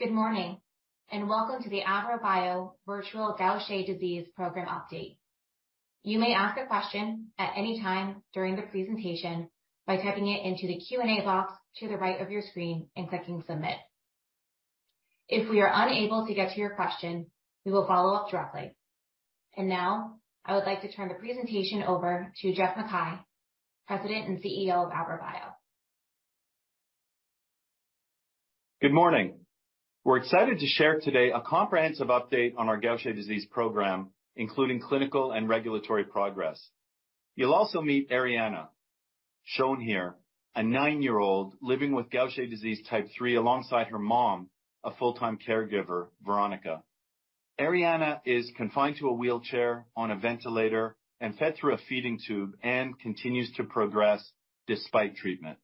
Good morning, welcome to the AVROBIO Virtual Gaucher Disease Program update. You may ask a question at any time during the presentation by typing it into the Q&A box to the right of your screen and clicking Submit. If we are unable to get to your question, we will follow up directly. Now, I would like to turn the presentation over to Geoff MacKay, President and CEO of AVROBIO. Good morning. We're excited to share today a comprehensive update on our Gaucher disease program, including clinical and regulatory progress. You'll also meet Arianna, shown here, a nine-year-old living with Gaucher disease type 3 alongside her mom, a full-time caregiver, Veronica. Arianna is confined to a wheelchair on a ventilator and fed through a feeding tube and continues to progress despite treatment.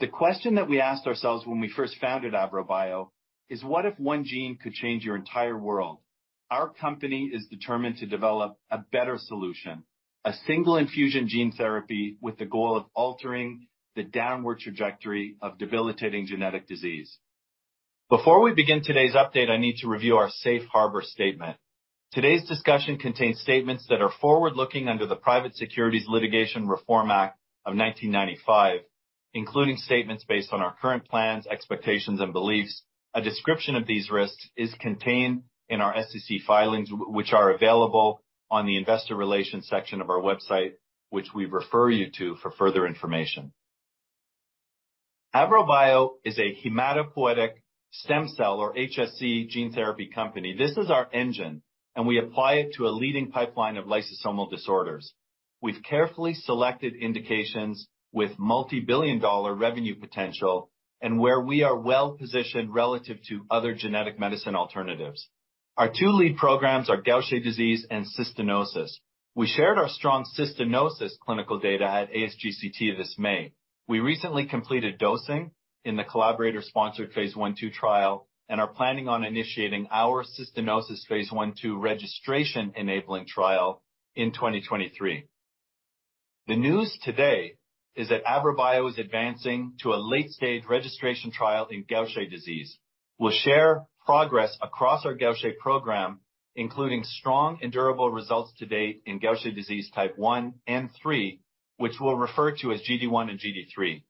The question that we asked ourselves when we first founded AVROBIO is: What if one gene could change your entire world? Our company is determined to develop a better solution, a single-infusion gene therapy with the goal of altering the downward trajectory of debilitating genetic disease. Before we begin today's update, I need to review our Safe Harbor statement. Today's discussion contains statements that are forward-looking under the Private Securities Litigation Reform Act of 1995, including statements based on our current plans, expectations, and beliefs. A description of these risks is contained in our SEC filings, which are available on the investor relations section of our website, which we refer you to for further information. AVROBIO is a hematopoietic stem cell or HSC gene therapy company. This is our engine, we apply it to a leading pipeline of lysosomal disorders. We've carefully selected indications with multi-billion-dollar revenue potential and where we are well-positioned relative to other genetic medicine alternatives. Our 2 lead programs are Gaucher disease and cystinosis. We shared our strong cystinosis clinical data at ASGCT this May. We recently completed dosing in the collaborator-sponsored phase I/II trial and are planning on initiating our cystinosis phase I/II registration enabling trial in 2023. The news today is that AVROBIO is advancing to a late-stage registration trial in Gaucher disease. We'll share progress across our Gaucher program, including strong and durable results to date in Gaucher disease type 1 and 3, which we'll refer to as GD1 and GD3.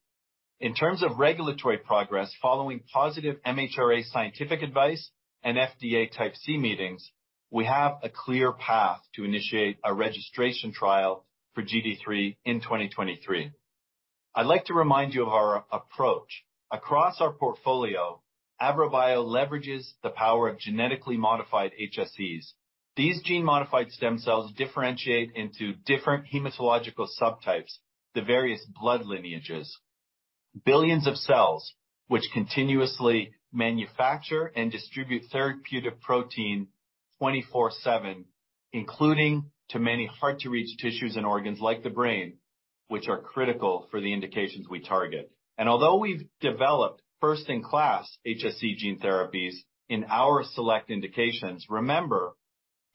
In terms of regulatory progress, following positive MHRA scientific advice and FDA type C meetings, we have a clear path to initiate a registration trial for GD3 in 2023. I'd like to remind you of our approach. Across our portfolio, AVROBIO leverages the power of genetically modified HSCs. These gene-modified stem cells differentiate into different hematological subtypes, the various blood lineages. Billions of cells which continuously manufacture and distribute therapeutic protein 24/7, including to many hard-to-reach tissues and organs like the brain, which are critical for the indications we target. Although we've developed first-in-class HSC gene therapies in our select indications, remember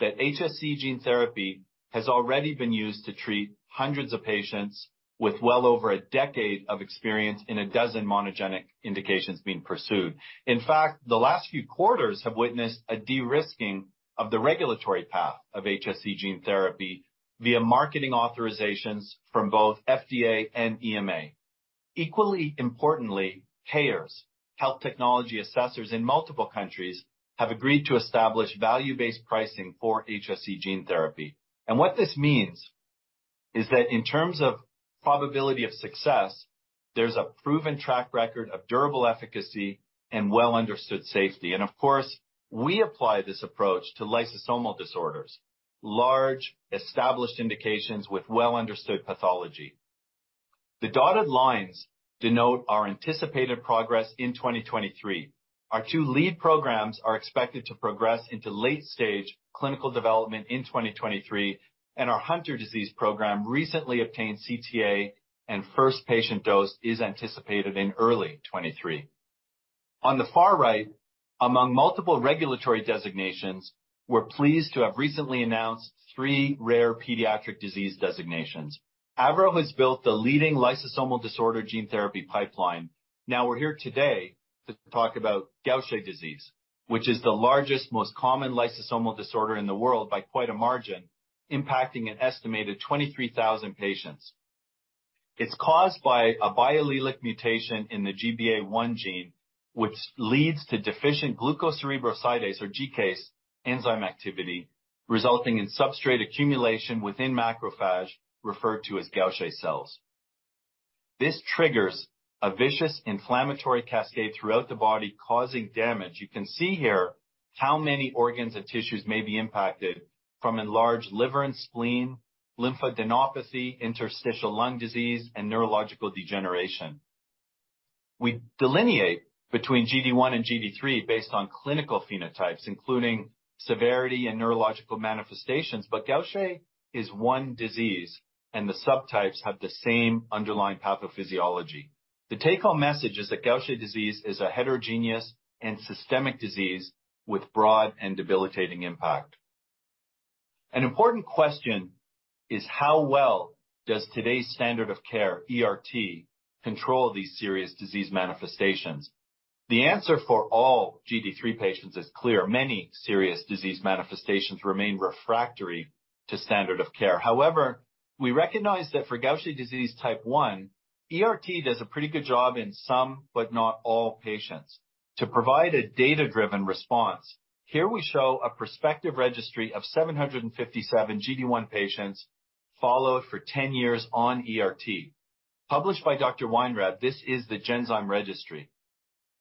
that HSC gene therapy has already been used to treat hundreds of patients with well over a decade of experience in a dozen monogenic indications being pursued. In fact, the last few quarters have witnessed a de-risking of the regulatory path of HSC gene therapy via marketing authorizations from both FDA and EMA. Equally importantly, payers, health technology assessors in multiple countries, have agreed to establish value-based pricing for HSC gene therapy. What this means is that in terms of probability of success, there's a proven track record of durable efficacy and well understood safety. Of course, we apply this approach to lysosomal disorders, large established indications with well understood pathology. The dotted lines denote our anticipated progress in 2023. Our two lead programs are expected to progress into late-stage clinical development in 2023, and our Hunter syndrome program recently obtained CTA and first patient dose is anticipated in early 2023. On the far right, among multiple regulatory designations, we're pleased to have recently announced 3 rare pediatric disease designations. AVROBIO has built the leading lysosomal disorder gene therapy pipeline. We're here today to talk about Gaucher disease, which is the largest, most common lysosomal disorder in the world by quite a margin, impacting an estimated 23,000 patients. It's caused by a biallelic mutation in the GBA1 gene, which leads to deficient glucocerebrosidase or GCase enzyme activity, resulting in substrate accumulation within macrophage, referred to as Gaucher cells. This triggers a vicious inflammatory cascade throughout the body, causing damage. You can see here how many organs and tissues may be impacted from enlarged liver and spleen, lymphadenopathy, interstitial lung disease, and neurological degeneration. We delineate between GD1 and GD3 based on clinical phenotypes, including severity and neurological manifestations. Gaucher is one disease, and the subtypes have the same underlying pathophysiology. The take-home message is that Gaucher disease is a heterogeneous and systemic disease with broad and debilitating impact. An important question is how well does today's standard of care, ERT, control these serious disease manifestations? The answer for all GD3 patients is clear. Many serious disease manifestations remain refractory to standard of care. However, we recognize that for Gaucher disease type 1, ERT does a pretty good job in some, but not all patients. To provide a data-driven response, here we show a prospective registry of 757 GD1 patients followed for 10 years on ERT. Published by Dr. Weinreb, this is the Genzyme Registry.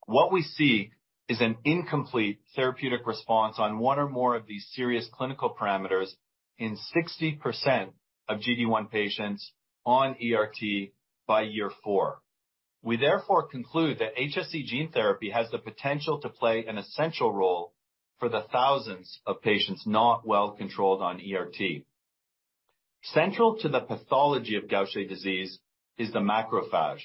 What we see is an incomplete therapeutic response on one or more of these serious clinical parameters in 60% of GD1 patients on ERT by year 4. We therefore conclude that HSC gene therapy has the potential to play an essential role for the thousands of patients not well controlled on ERT. Central to the pathology of Gaucher disease is the macrophage.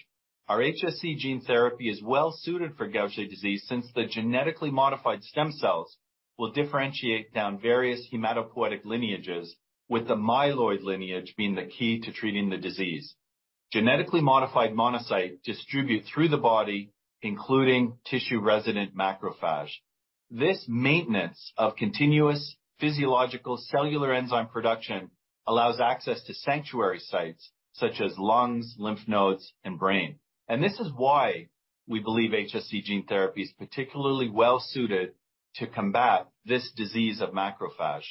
Our HSC gene therapy is well-suited for Gaucher disease since the genetically modified stem cells will differentiate down various hematopoietic lineages, with the myeloid lineage being the key to treating the disease. Genetically modified monocyte distribute through the body, including tissue-resident macrophage. This maintenance of continuous physiological cellular enzyme production allows access to sanctuary sites such as lungs, lymph nodes, and brain. This is why we believe HSC gene therapy is particularly well-suited to combat this disease of macrophage.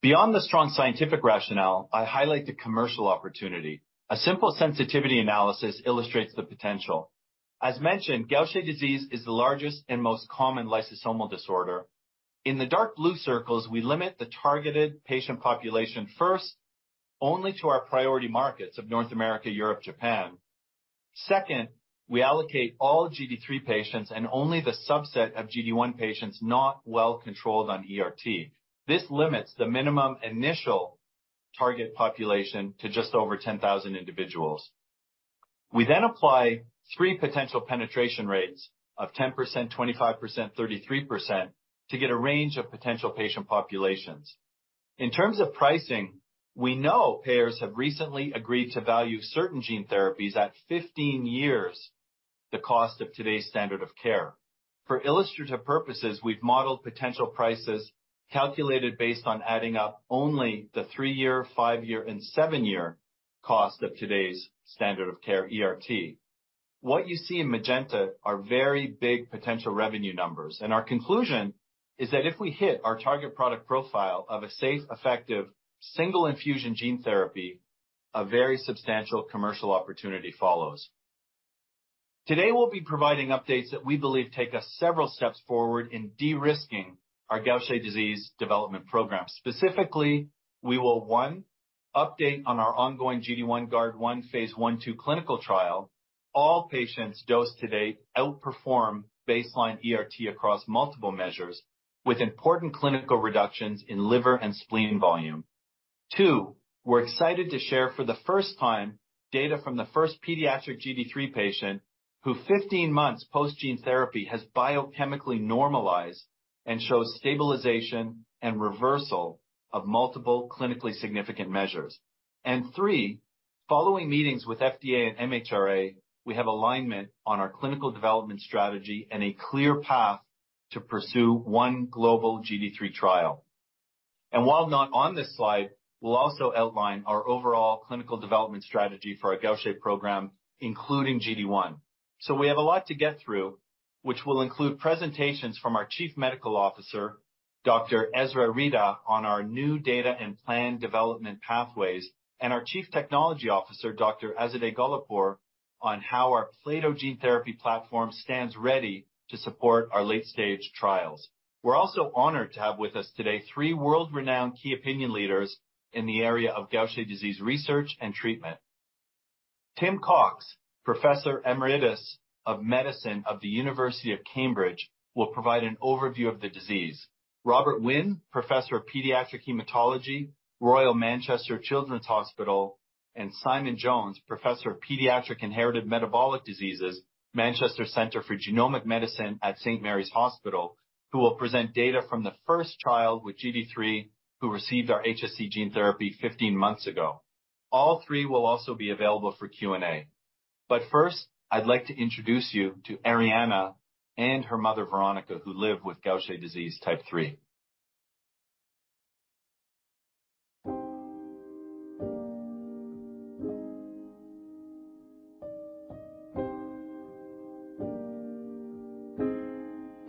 Beyond the strong scientific rationale, I highlight the commercial opportunity. A simple sensitivity analysis illustrates the potential. As mentioned, Gaucher disease is the largest and most common lysosomal disorder. In the dark blue circles, we limit the targeted patient population first, only to our priority markets of North America, Europe, Japan. Second, we allocate all GD3 patients and only the subset of GD1 patients not well controlled on ERT. This limits the minimum initial target population to just over 10,000 individuals. We apply 3 potential penetration rates of 10%, 25%, 33% to get a range of potential patient populations. In terms of pricing, we know payers have recently agreed to value certain gene therapies at 15 years the cost of today's standard of care. For illustrative purposes, we've modeled potential prices calculated based on adding up only the three year, five year, and sever year cost of today's standard of care ERT. Our conclusion is that if we hit our Target Product Profile of a safe, effective, single infusion gene therapy, a very substantial commercial opportunity follows. Today, we'll be providing updates that we believe take us several steps forward in de-risking our Gaucher disease development program. Specifically, we will, one, update on our ongoing GD1 Guard1, phase I/II clinical trial. All patients dosed to date outperform baseline ERT across multiple measures with important clinical reductions in liver and spleen volume. 2. We're excited to share for the first time data from the first pediatric GD3 patient who 15 months post gene therapy has biochemically normalized and shows stabilization and reversal of multiple clinically significant measures. Three. Following meetings with FDA and MHRA, we have alignment on our clinical development strategy and a clear path to pursue one global GD3 trial. While not on this slide, we'll also outline our overall clinical development strategy for our Gaucher program, including GD1. We have a lot to get through, which will include presentations from our Chief Medical Officer, Dr. Essra Ridha, on our new data and plan development pathways, and our Chief Technology Officer, Dr. Azadeh Golipour, on how our plato gene therapy platform stands ready to support our late-stage trials. We're also honored to have with us today three world-renowned key opinion leaders in the area of Gaucher disease research and treatment. Tim Cox, professor emeritus of medicine of the University of Cambridge, will provide an overview of the disease. Robert Wynn, professor of pediatric hematology, Royal Manchester Children's Hospital, and Simon Jones, professor of pediatric inherited metabolic diseases, Manchester Center for Genomic Medicine at St. Mary's Hospital, who will present data from the first trial with GD3, who received our HSC gene therapy 15 months ago. All three will also be available for Q&A. First, I'd like to introduce you to Arianna and her mother, Veronica, who live with Gaucher disease type 3.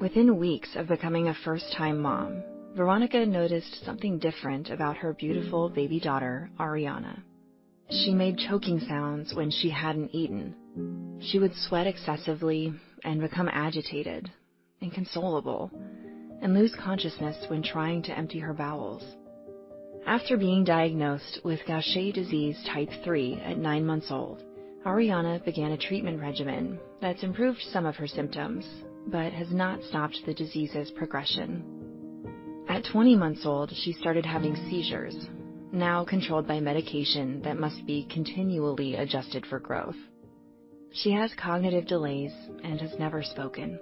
Within weeks of becoming a first-time mom, Veronica noticed something different about her beautiful baby daughter, Arianna. She made choking sounds when she hadn't eaten. She would sweat excessively and become agitated and inconsolable and lose consciousness when trying to empty her bowels. After being diagnosed with Gaucher disease type three at nine months old, Arianna began a treatment regimen that's improved some of her symptoms but has not stopped the disease's progression. At 20 months old, she started having seizures, now controlled by medication that must be continually adjusted for growth. She has cognitive delays and has never spoken.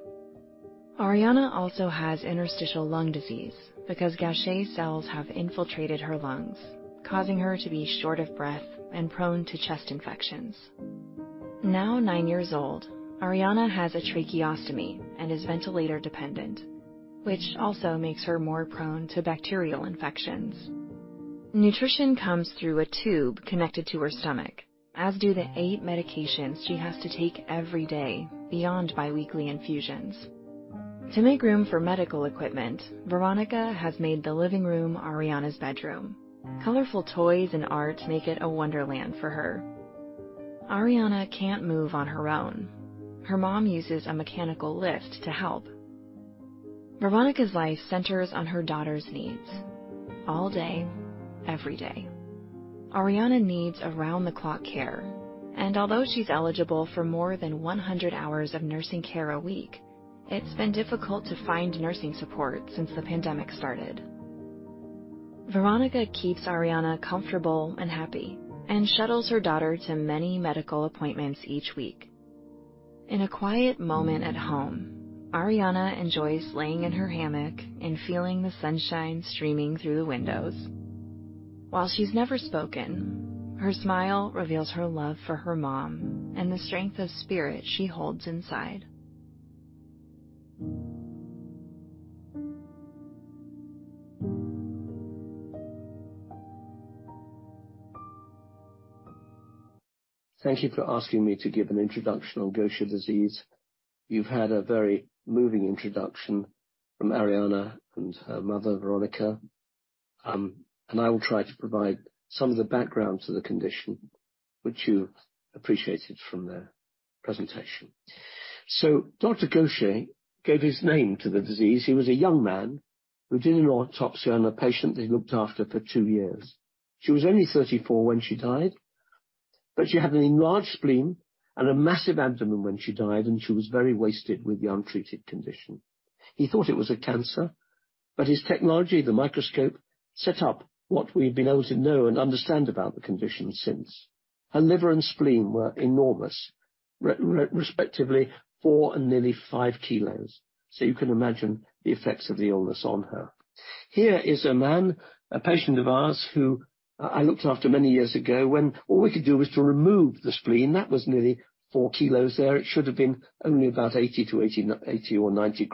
Arianna also has interstitial lung disease because Gaucher cells have infiltrated her lungs, causing her to be short of breath and prone to chest infections. Now 9 years old, Arianna has a tracheostomy and is ventilator dependent, which also makes her more prone to bacterial infections. Nutrition comes through a tube connected to her stomach, as do the eight medications she has to take every day beyond biweekly infusions. To make room for medical equipment, Veronica has made the living room Arianna's bedroom. Colorful toys and art make it a wonderland for her. Arianna can't move on her own. Her mom uses a mechanical lift to help. Veronica's life centers on her daughter's needs all day, every day. Although she's eligible for more than 100 hours of nursing care a week, it's been difficult to find nursing support since the pandemic started. Veronica keeps Arianna comfortable and happy and shuttles her daughter to many medical appointments each week. In a quiet moment at home, Arianna enjoys laying in her hammock and feeling the sunshine streaming through the windows. While she's never spoken, her smile reveals her love for her mom and the strength of spirit she holds inside. Thank you for asking me to give an introduction on Gaucher disease. You've had a very moving introduction from Arianna and her mother, Veronica, and I will try to provide some of the background to the condition which you appreciated from their presentation. Dr. Gaucher gave his name to the disease. He was a young man who did an autopsy on a patient he looked after for two years. She was only 34 when she died, she had an enlarged spleen and a massive abdomen when she died, she was very wasted with the untreated condition. He thought it was a cancer, his technology, the microscope, set up what we've been able to know and understand about the condition since. Her liver and spleen were enormous, respectively four and nearly five kilos. You can imagine the effects of the illness on her. Here is a man, a patient of ours, who I looked after many years ago when all we could do was to remove the spleen. That was nearly 4 kg there. It should have been only about 80 or 90 g.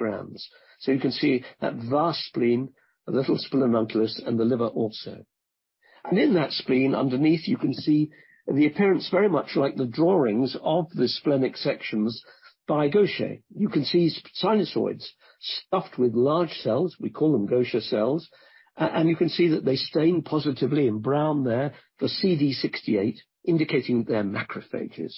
You can see that vast spleen, a little splenomegaly, and the liver also. In that spleen underneath, you can see the appearance very much like the drawings of the splenic sections by Gaucher. You can see sinusoids stuffed with large cells. We call them Gaucher cells. You can see that they stain positively in brown there for CD68, indicating they're macrophages.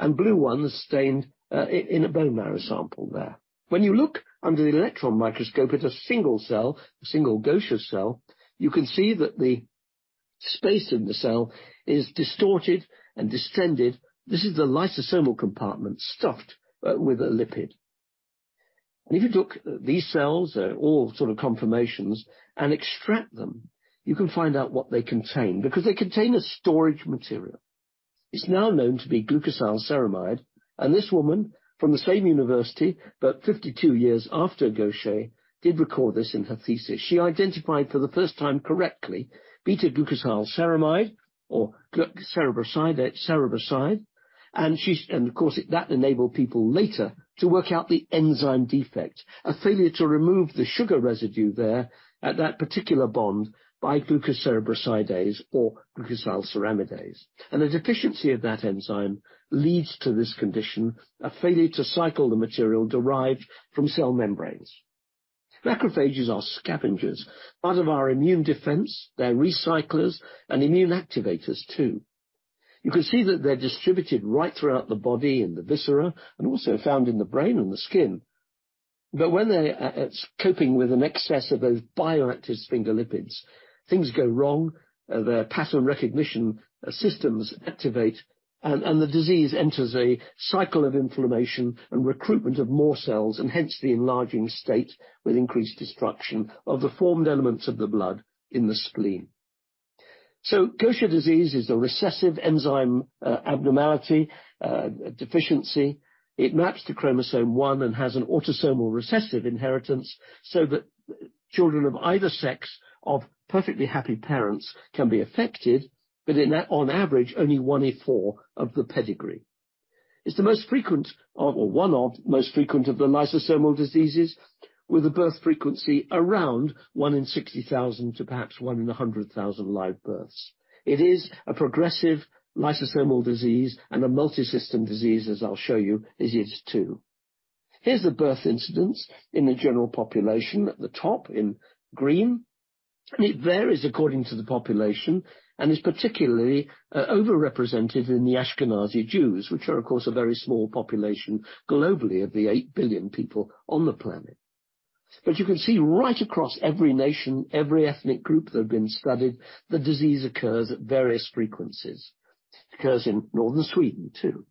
Blue ones stained in a bone marrow sample there. When you look under the electron microscope at a single cell, a single Gaucher cell, you can see that the space in the cell is distorted and distended. This is the lysosomal compartment stuffed with a lipid. If you look at these cells, they're all sort of conformations, and extract them, you can find out what they contain because they contain a storage material. It's now known to be glucosylceramide, this woman from the same university but 52 years after Gaucher did record this in her thesis. She identified for the first time correctly beta glucosylceramide or glucocerebroside, that cerebroside. Of course, that enabled people later to work out the enzyme defect, a failure to remove the sugar residue there at that particular bond by glucocerebrosidase or glucosylceramide. The deficiency of that enzyme leads to this condition, a failure to cycle the material derived from cell membranes. Macrophages are scavengers, part of our immune defense. They're recyclers and immune activators too. You can see that they're distributed right throughout the body and the viscera and also found in the brain and the skin. When they're coping with an excess of those bioactive sphingolipids, things go wrong. Their pattern recognition systems activate, and the disease enters a cycle of inflammation and recruitment of more cells, and hence the enlarging state with increased destruction of the formed elements of the blood in the spleen. Gaucher disease is a recessive enzyme abnormality deficiency. It maps to chromosome one and has an autosomal recessive inheritance so that children of either sex of perfectly happy parents can be affected, but in that, on average, only one in four of the pedigree. It's the most frequent or one of most frequent of the lysosomal diseases with a birth frequency around 1 in 60,000 to perhaps 1 in 100,000 live births. It is a progressive lysosomal disease and a multisystem disease, as I'll show you, it is too. Here's the birth incidence in the general population at the top in green. It varies according to the population and is particularly overrepresented in the Ashkenazi Jews, which are, of course, a very small population globally of the 8 billion people on the planet. You can see right across every nation, every ethnic group that have been studied, the disease occurs at various frequencies. It occurs in northern Sweden too.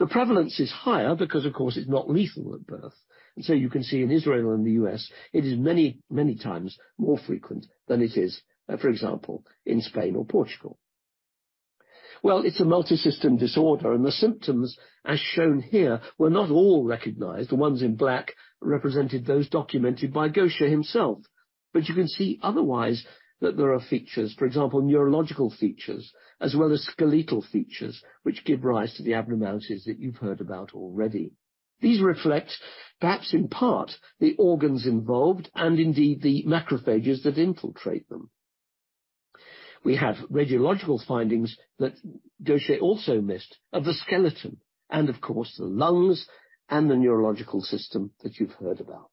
The prevalence is higher because, of course, it's not lethal at birth. You can see in Israel and the U.S., it is many, many times more frequent than it is, for example, in Spain or Portugal. Well, it's a multi-system disorder, the symptoms as shown here were not all recognized. The ones in black represented those documented by Gaucher himself. You can see otherwise that there are features, for example, neurological features, as well as skeletal features, which give rise to the abnormalities that you've heard about already. These reflect, perhaps in part, the organs involved and indeed the macrophages that infiltrate them. We have radiological findings that Gaucher also missed of the skeleton and of course, the lungs and the neurological system that you've heard about.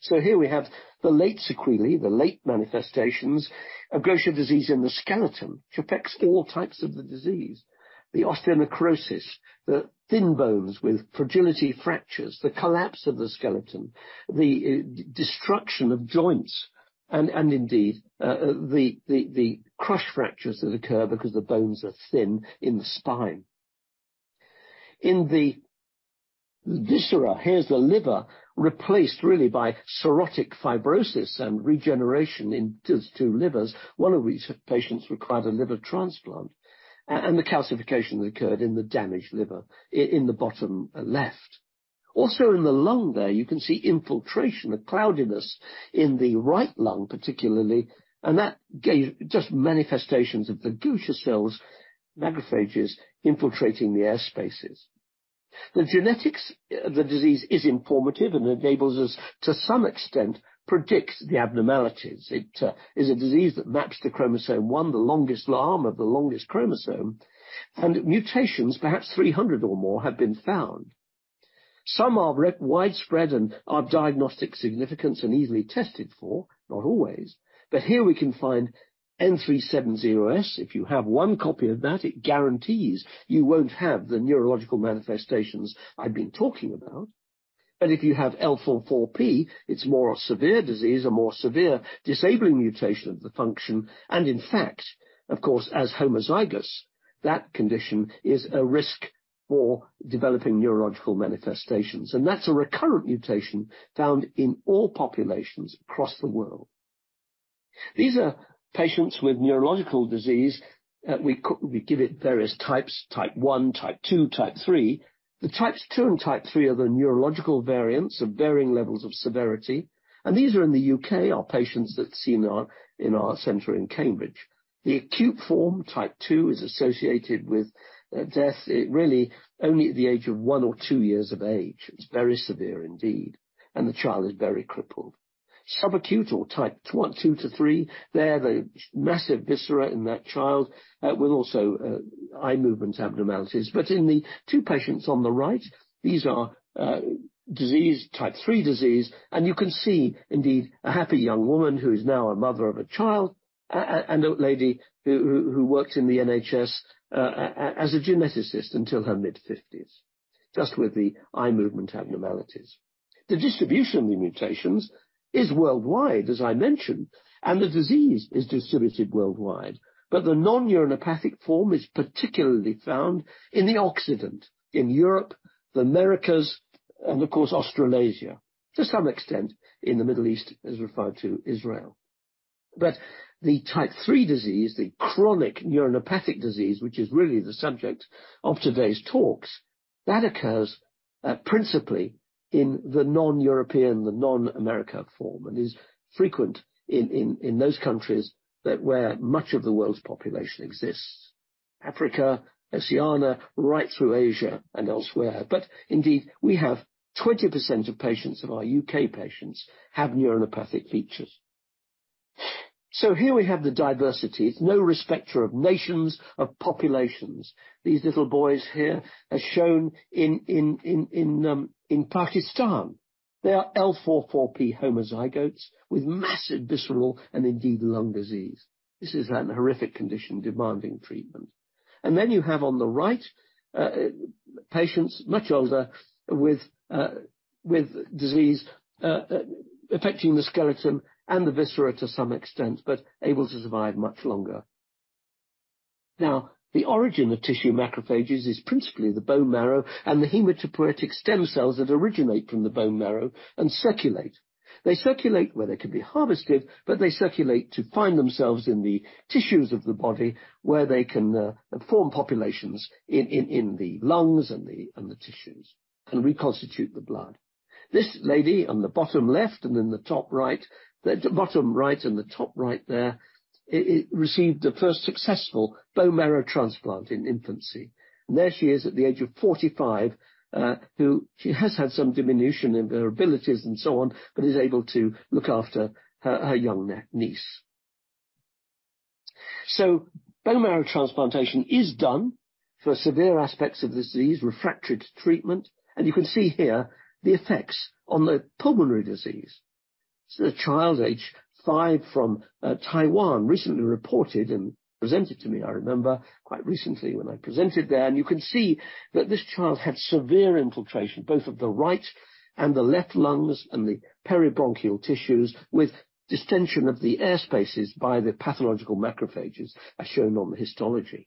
Here we have the late sequelae, the late manifestations of Gaucher disease in the skeleton, which affects all types of the disease. The osteonecrosis, the thin bones with fragility fractures, the collapse of the skeleton, the destruction of joints, indeed, the crush fractures that occur because the bones are thin in the spine. In the viscera, here's the liver replaced really by cirrhotic fibrosis and regeneration in these two livers. One of these patients required a liver transplant, and the calcification occurred in the damaged liver in the bottom left. Also in the lung there, you can see infiltration, a cloudiness in the right lung particularly, and that gave just manifestations of the Gaucher cells, macrophages infiltrating the air spaces. The genetics of the disease is informative and enables us to some extent predict the abnormalities. It is a disease that maps to chromosome 1, the longest arm of the longest chromosome. Mutations, perhaps 300 or more, have been found. Some are widespread and are of diagnostic significance and easily tested for, not always. Here we can find N370S. If you have one copy of that, it guarantees you won't have the neurological manifestations I've been talking about. If you have L44P, it's more a severe disease or more severe disabling mutation of the function, and in fact, of course, as homozygous, that condition is a risk for developing neurological manifestations. That's a recurrent mutation found in all populations across the world. These are patients with neurological disease. We give it various types: Type one, type two, type three. The types two and type three are the neurological variants of varying levels of severity, and these are in the U.K., are patients that seen are in our center in Cambridge. The acute form, type two, is associated with death. It really only at the age of one or two years of age. It's very severe indeed, and the child is very crippled. Subacute or type two to three, there the massive viscera in that child, with also eye movement abnormalities. In the two patients on the right, these are disease, type 3 disease, and you can see indeed a happy young woman who is now a mother of a child, an old lady who worked in the NHS as a geneticist until her mid-50s, just with the eye movement abnormalities. The distribution of the mutations is worldwide, as I mentioned, and the disease is distributed worldwide. The non-neuropathic form is particularly found in the Occident, in Europe, the Americas, and of course, Australasia, to some extent in the Middle East, as referred to Israel. The type 3 disease, the chronic neuropathic disease, which is really the subject of today's talks, that occurs principally in the non-European, the non-America form, and is frequent in those countries that where much of the world's population exists. Africa, Oceania, right through Asia and elsewhere. Indeed, we have 20% of patients of our U.K. patients have neuropathic features. Here we have the diversity. It's no respecter of nations, of populations. These little boys here are shown in Pakistan. They are L44P homozygotes with massive visceral and indeed lung disease. This is an horrific condition demanding treatment. Then you have on the right, patients much older with disease affecting the skeleton and the viscera to some extent, but able to survive much longer. The origin of tissue macrophages is principally the bone marrow and the hematopoietic stem cells that originate from the bone marrow and circulate. They circulate where they can be harvested, but they circulate to find themselves in the tissues of the body where they can form populations in the lungs and the tissues and reconstitute the blood. This lady on the bottom left and in the top right, the bottom right and the top right there, received the first successful bone marrow transplant in infancy. There she is at the age of 45, who she has had some diminution in her abilities and so on, but is able to look after her young niece. Bone marrow transplantation is done for severe aspects of the disease, refractory to treatment, and you can see here the effects on the pulmonary disease. This is a child age 5 from Taiwan, recently reported and presented to me, I remember, quite recently when I presented there. You can see that this child had severe infiltration, both of the right and the left lungs and the peribronchial tissues with distension of the air spaces by the pathological macrophages as shown on the histology.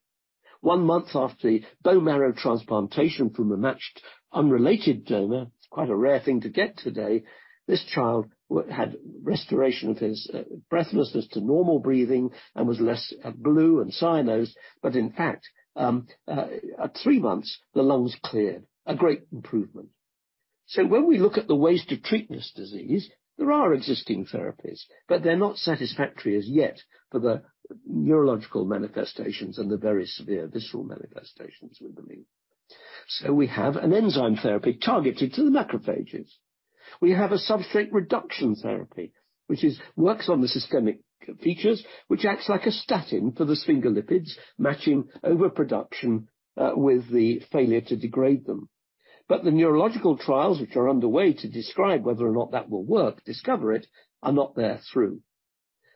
one month after the bone marrow transplantation from a matched, unrelated donor, it's quite a rare thing to get today, this child had restoration of his breathlessness to normal breathing and was less blue and cyanosed. In fact, at three months, the lungs cleared. A great improvement. When we look at the ways to treat this disease, there are existing therapies, they're not satisfactory as yet for the neurological manifestations and the very severe visceral manifestations within me. We have an enzyme therapy targeted to the macrophages. We have a substrate reduction therapy, works on the systemic features, which acts like a statin for the sphingolipids, matching overproduction with the failure to degrade them. The neurological trials which are underway to describe whether or not that will work, discover it, are not there through.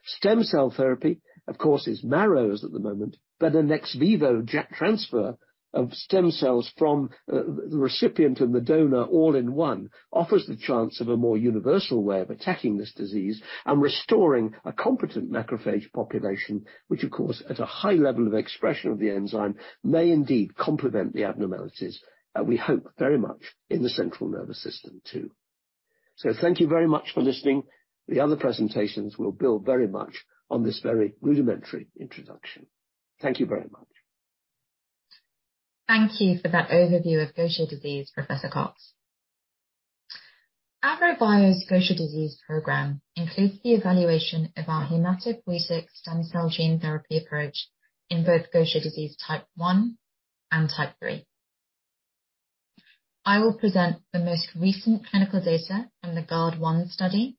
Stem cell therapy, of course, is narrows at the moment, but an ex vivo transfer of stem cells from the recipient and the donor all in one offers the chance of a more universal way of attacking this disease and restoring a competent macrophage population, which of course, at a high level of expression of the enzyme, may indeed complement the abnormalities that we hope very much in the central nervous system too. Thank you very much for listening. The other presentations will build very much on this very rudimentary introduction. Thank you very much. Thank you for that overview of Gaucher disease, Professor Cox. AVROBIO's Gaucher disease program includes the evaluation of our hematopoietic stem cell gene therapy approach in both Gaucher disease type 1 and type 3. I will present the most recent clinical data from the Guard1 study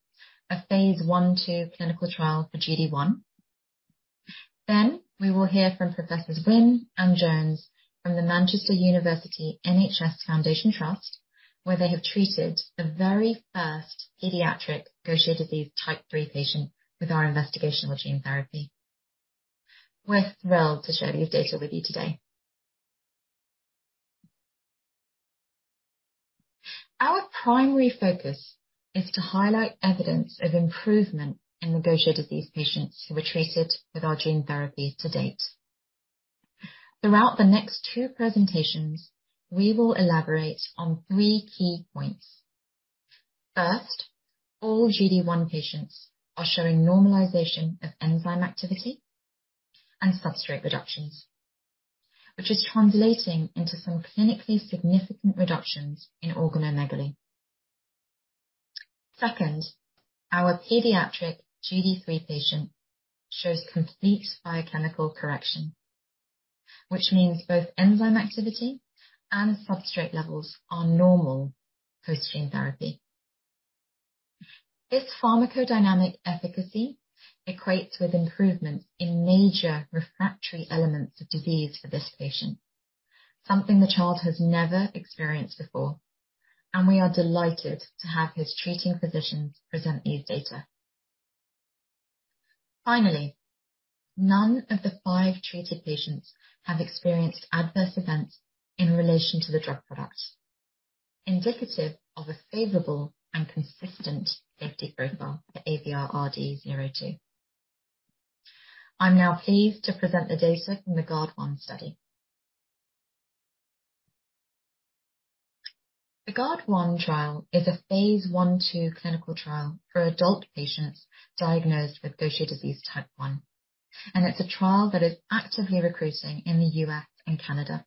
of phase I/II clinical trial for GD1. We will hear from Professors Wynn and Jones from the Manchester University NHS Foundation Trust, where they have treated the very first pediatric Gaucher disease type 3 patient with our investigational gene therapy. We're thrilled to share these data with you today. Our primary focus is to highlight evidence of improvement in the Gaucher disease patients who were treated with our gene therapy to date. Throughout the next two presentations, we will elaborate on three key points. First, all GD1 patients are showing normalization of enzyme activity and substrate reductions, which is translating into some clinically significant reductions in organomegaly. Second, our pediatric GD3 patient shows complete biochemical correction, which means both enzyme activity and substrate levels are normal post gene therapy. This pharmacodynamic efficacy equates with improvements in major refractory elements of disease for this patient, something the child has never experienced before, and we are delighted to have his treating physicians present these data. Finally, none of the five treated patients have experienced adverse events in relation to the drug product, indicative of a favorable and consistent safety profile for AVR-RD-02. I'm now pleased to present the data from the Guard1 study. The Guard1 trial is a phase I/II clinical trial for adult patients diagnosed with Gaucher disease type 1. It's a trial that is actively recruiting in the U.S. and Canada.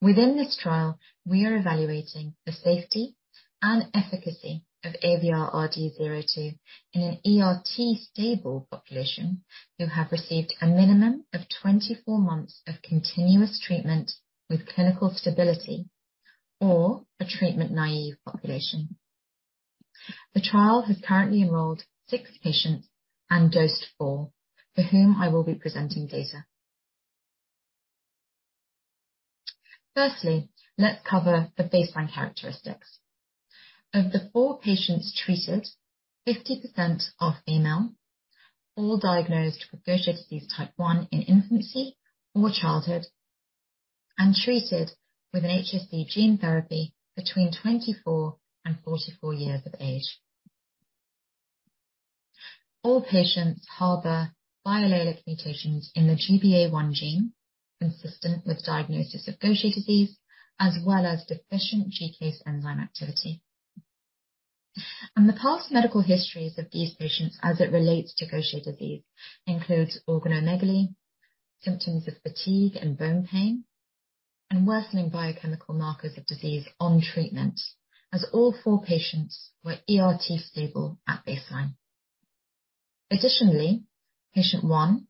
Within this trial, we are evaluating the safety and efficacy of AVR-RD-02 in an ERT stable population who have received a minimum of 24 months of continuous treatment with clinical stability or a treatment-naive population. The trial has currently enrolled six patients and dosed four, for whom I will be presenting data. Firstly, let's cover the baseline characteristics. Of the four patients treated, 50% are female, all diagnosed with Gaucher disease type 1 in infancy or childhood and treated with an HSC gene therapy between 24 and 44 years of age. All patients harbor biallelic mutations in the GBA1 gene consistent with diagnosis of Gaucher disease as well as deficient GCase enzyme activity. The past medical histories of these patients as it relates to Gaucher disease includes organomegaly, symptoms of fatigue and bone pain, and worsening biochemical markers of disease on treatment, as all four patients were ERT stable at baseline. Additionally, patient one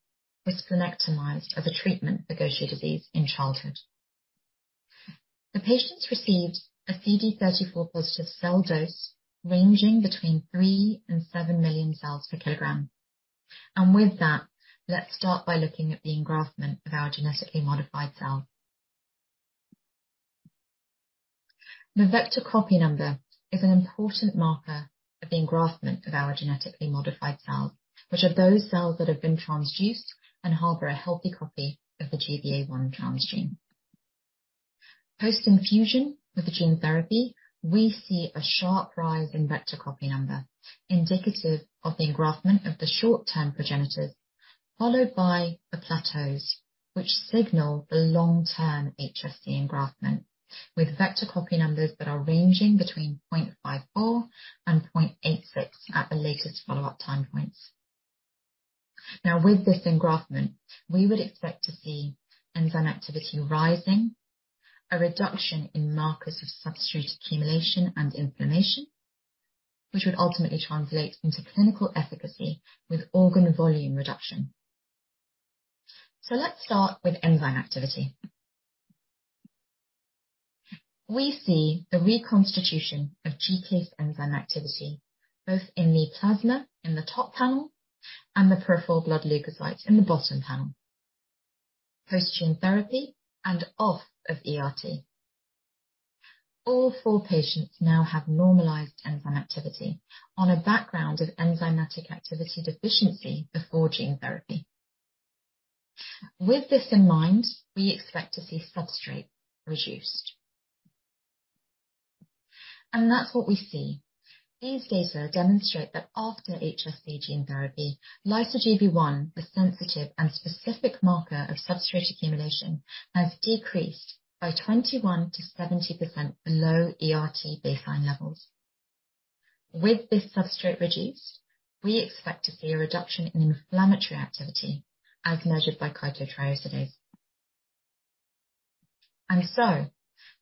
was splenectomized as a treatment for Gaucher disease in childhood. The patients received a CD34 positive cell dose ranging between three and seven million cells per kg. With that, let's start by looking at the engraftment of our genetically modified cells. The vector copy number is an important marker of the engraftment of our genetically modified cells, which are those cells that have been transduced and harbor a healthy copy of the GBA1 transgene. Post-infusion with the gene therapy, we see a sharp rise in vector copy number, indicative of the engraftment of the short-term progenitors, followed by the plateaus which signal the long-term HSC engraftment with vector copy numbers that are ranging between 0.54 and 0.86 at the latest follow-up time point. With this engraftment, we would expect to see enzyme activity rising, a reduction in markers of substrate accumulation and inflammation, which would ultimately translate into clinical efficacy with organ volume reduction. Let's start with enzyme activity. We see the reconstitution of GCase enzyme activity both in the plasma in the top panel and the peripheral blood leukocytes in the bottom panel. Post gene therapy and off of ERT. All four patients now have normalized enzyme activity on a background of enzymatic activity deficiency before gene therapy. With this in mind, we expect to see substrate reduced. That's what we see. These data demonstrate that after HSC gene therapy, lyso-Gb1, the sensitive and specific marker of substrate accumulation, has decreased by 21%-70% below ERT baseline levels. With this substrate reduced, we expect to see a reduction in inflammatory activity as measured by chitotriosidase.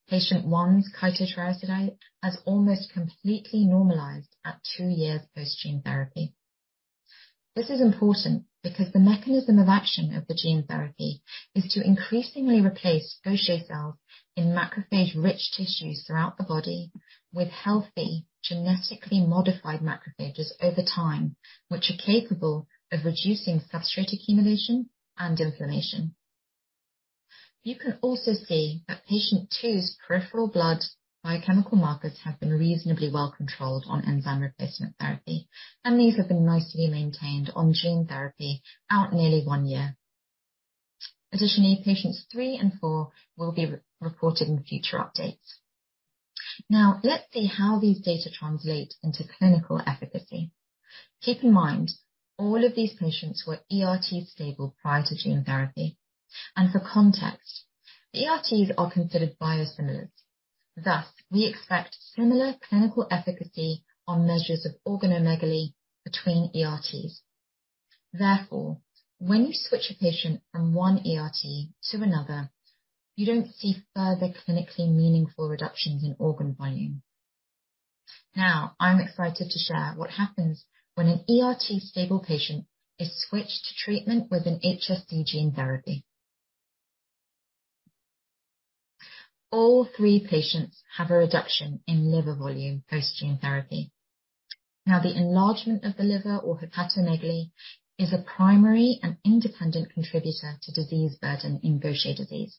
Patient one's chitotriosidase has almost completely normalized at 2 years post gene therapy. This is important because the mechanism of action of the gene therapy is to increasingly replace Gaucher cells in macrophage-rich tissues throughout the body with healthy, genetically modified macrophages over time, which are capable of reducing substrate accumulation and inflammation. You can also see that patient two's peripheral blood biochemical markers have been reasonably well controlled on enzyme replacement therapy, and these have been nicely maintained on gene therapy out nearly 1 year. Additionally, patients 3 and 4 will be re-reported in future updates. Let's see how these data translate into clinical efficacy. Keep in mind, all of these patients were ERT stable prior to gene therapy. For context, ERTs are considered biosimilars. We expect similar clinical efficacy on measures of organomegaly between ERTs. When you switch a patient from one ERT to another, you don't see further clinically meaningful reductions in organ volume. I'm excited to share what happens when an ERT-stable patient is switched to treatment with an HSC gene therapy. All three patients have a reduction in liver volume post gene therapy. The enlargement of the liver or hepatomegaly is a primary and independent contributor to disease burden in Gaucher disease.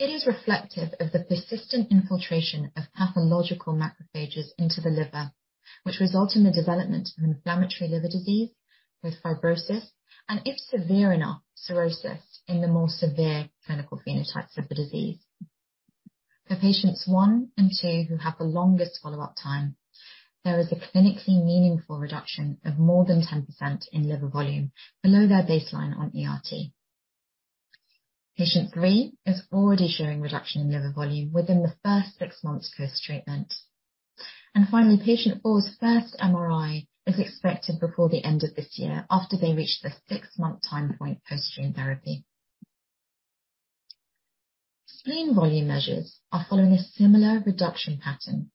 It is reflective of the persistent infiltration of pathological macrophages into the liver, which result in the development of inflammatory liver disease with fibrosis, and if severe enough, cirrhosis in the more severe clinical phenotypes of the disease. For patients one and two who have the longest follow-up time, there is a clinically meaningful reduction of more than 10% in liver volume below their baseline on ERT. Patient three is already showing reduction in liver volume within the first six months post-treatment. Finally, patient four's first MRI is expected before the end of this year after they reach the 6-month time point post gene therapy. Spleen volume measures are following a similar reduction pattern.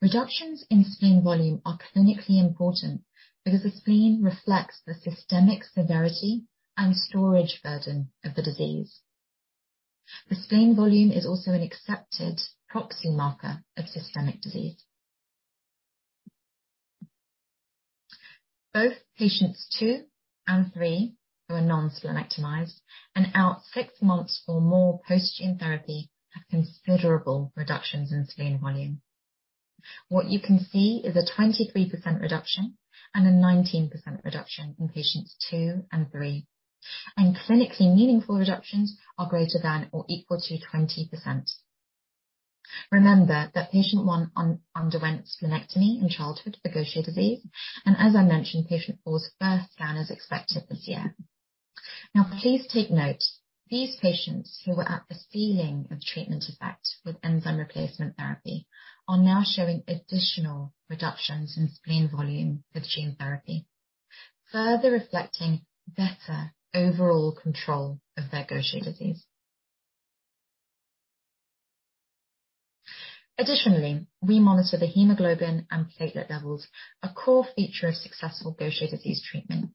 Reductions in spleen volume are clinically important because the spleen reflects the systemic severity and storage burden of the disease. The spleen volume is also an accepted proxy marker of systemic disease. Both patients two and three, who are non-splenectomized and out 6 months or more post gene therapy, have considerable reductions in spleen volume. What you can see is a 23% reduction and a 19% reduction in patients two and three. Clinically meaningful reductions are greater than or equal to 20%. Remember that patient one underwent splenectomy in childhood for Gaucher disease. As I mentioned, patient four's first scan is expected this year. Please take note, these patients who were at the ceiling of treatment effect with enzyme replacement therapy are now showing additional reductions in spleen volume with gene therapy, further reflecting better overall control of their Gaucher disease. Additionally, we monitor the hemoglobin and platelet levels, a core feature of successful Gaucher disease treatment.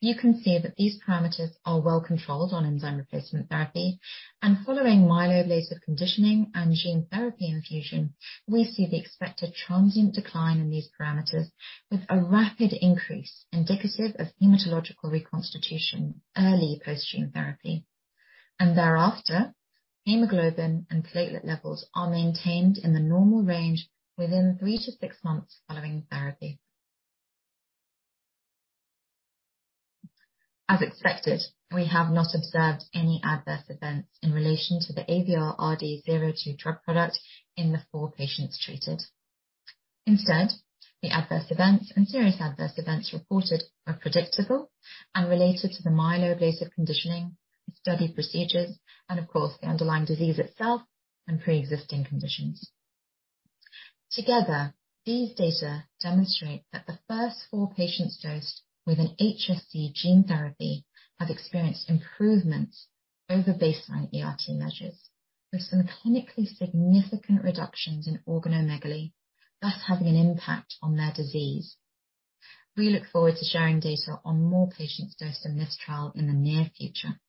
You can see that these parameters are well controlled on enzyme replacement therapy and following myeloablative conditioning and gene therapy infusion, we see the expected transient decline in these parameters with a rapid increase indicative of hematological reconstitution early post gene therapy. Thereafter, hemoglobin and platelet levels are maintained in the normal range within 3-6 months following therapy. As expected, we have not observed any adverse events in relation to the AVR-RD-02 drug product in the four patients treated. Instead, the adverse events and serious adverse events reported are predictable and related to the myeloablative conditioning, the study procedures, and of course, the underlying disease itself and pre-existing conditions. Together, these data demonstrate that the first four patients dosed with an HSC gene therapy have experienced improvements over baseline ERT measures, with some clinically significant reductions in organomegaly, thus having an impact on their disease. We look forward to sharing data on more patients dosed in this trial in the near future.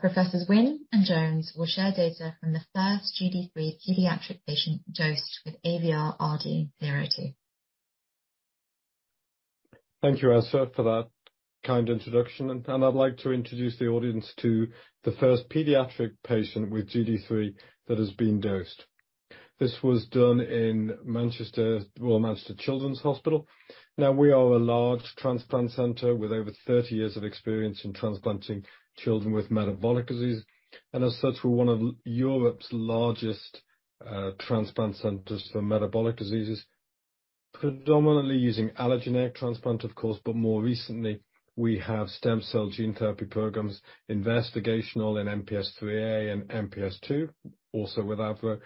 Professors Wynn and Jones will share data from the first GD3 pediatric patient dosed with AVR-RD-02. Thank you, Essra, for that kind introduction. I'd like to introduce the audience to the first pediatric patient with GD3 that has been dosed. This was done in Manchester, well, Manchester Children's Hospital. We are a large transplant center with over 30 years of experience in transplanting children with metabolic disease, and as such, we're one of Europe's largest transplant centers for metabolic diseases. Predominantly using allogeneic transplant, of course, but more recently, we have stem cell gene therapy programs, investigational in MPS IIIA and MPS II, also with AVRO,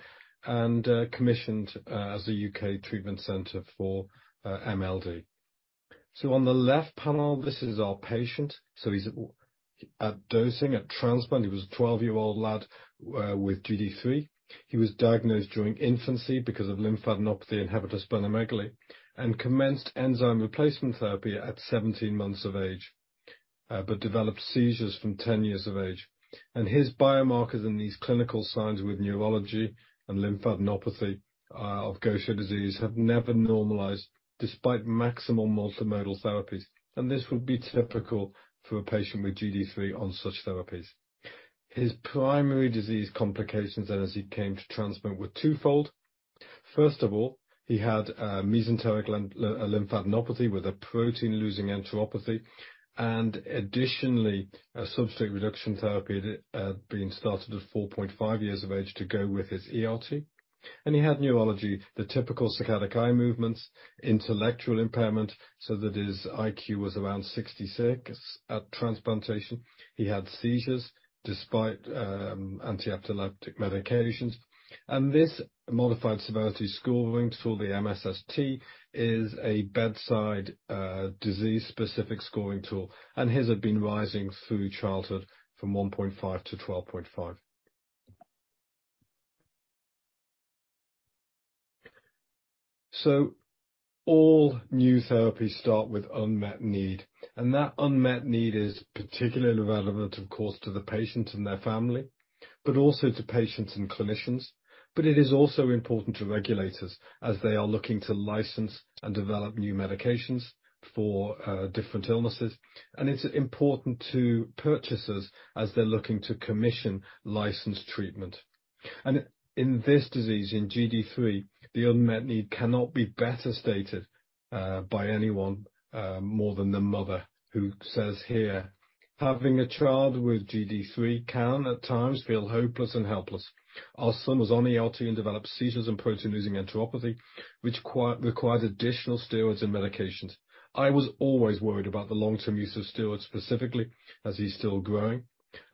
and commissioned as a UK treatment center for MLD. On the left panel, this is our patient. He's at dosing, at transplant. He was a 12-year-old lad with GD3. He was diagnosed during infancy because of lymphadenopathy and hepatosplenomegaly, and commenced enzyme replacement therapy at 17 months of age, but developed seizures from 10 years of age. His biomarkers and these clinical signs with neurology and lymphadenopathy, of Gaucher disease have never normalized despite maximal multimodal therapies, and this would be typical for a patient with GD3 on such therapies. His primary disease complications then as he came to transplant were twofold. First of all, he had mesenteric lymphadenopathy with a protein-losing enteropathy and additionally, a substrate reduction therapy that had been started at 4.5 years of age to go with his ERT. He had neurology, the typical saccadic eye movements, intellectual impairment, so that his IQ was around 66 at transplantation. He had seizures despite anti-epileptic medications. This Modified Severity Scoring Tool, the MSST, is a bedside, disease-specific scoring tool, and his had been rising through childhood from 1.5 to 12.5. All new therapies start with unmet need, and that unmet need is particularly relevant, of course, to the patient and their family, but also to patients and clinicians. It is also important to regulators as they are looking to license and develop new medications for different illnesses. It's important to purchasers as they're looking to commission licensed treatment. In this disease, in GD3, the unmet need cannot be better stated by anyone more than the mother who says here, "Having a child with GD3 can at times feel hopeless and helpless. Our son was on ERT and developed seizures and protein-losing enteropathy, which requires additional steroids and medications. I was always worried about the long-term use of steroids specifically, as he's still growing,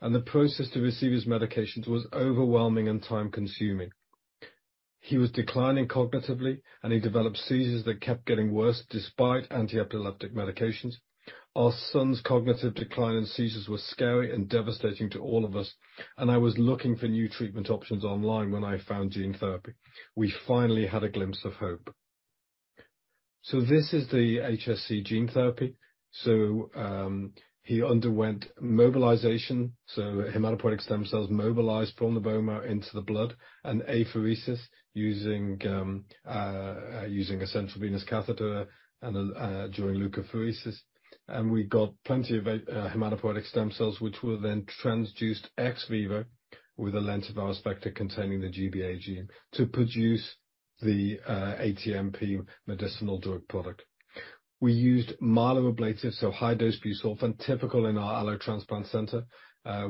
and the process to receive his medications was overwhelming and time-consuming. He was declining cognitively, and he developed seizures that kept getting worse despite anti-epileptic medications. Our son's cognitive decline and seizures were scary and devastating to all of us, and I was looking for new treatment options online when I found gene therapy. We finally had a glimpse of hope." This is the HSC gene therapy. He underwent mobilization, so hematopoietic stem cells mobilized from the bone marrow into the blood, and apheresis using a central venous catheter during leukapheresis. We got plenty of hematopoietic stem cells, which were then transduced ex vivo with a lentivirus vector containing the GBA gene to produce the ATMP medicinal drug product. We used myeloablative, so high-dose busulfan, typical in our allotransplant center,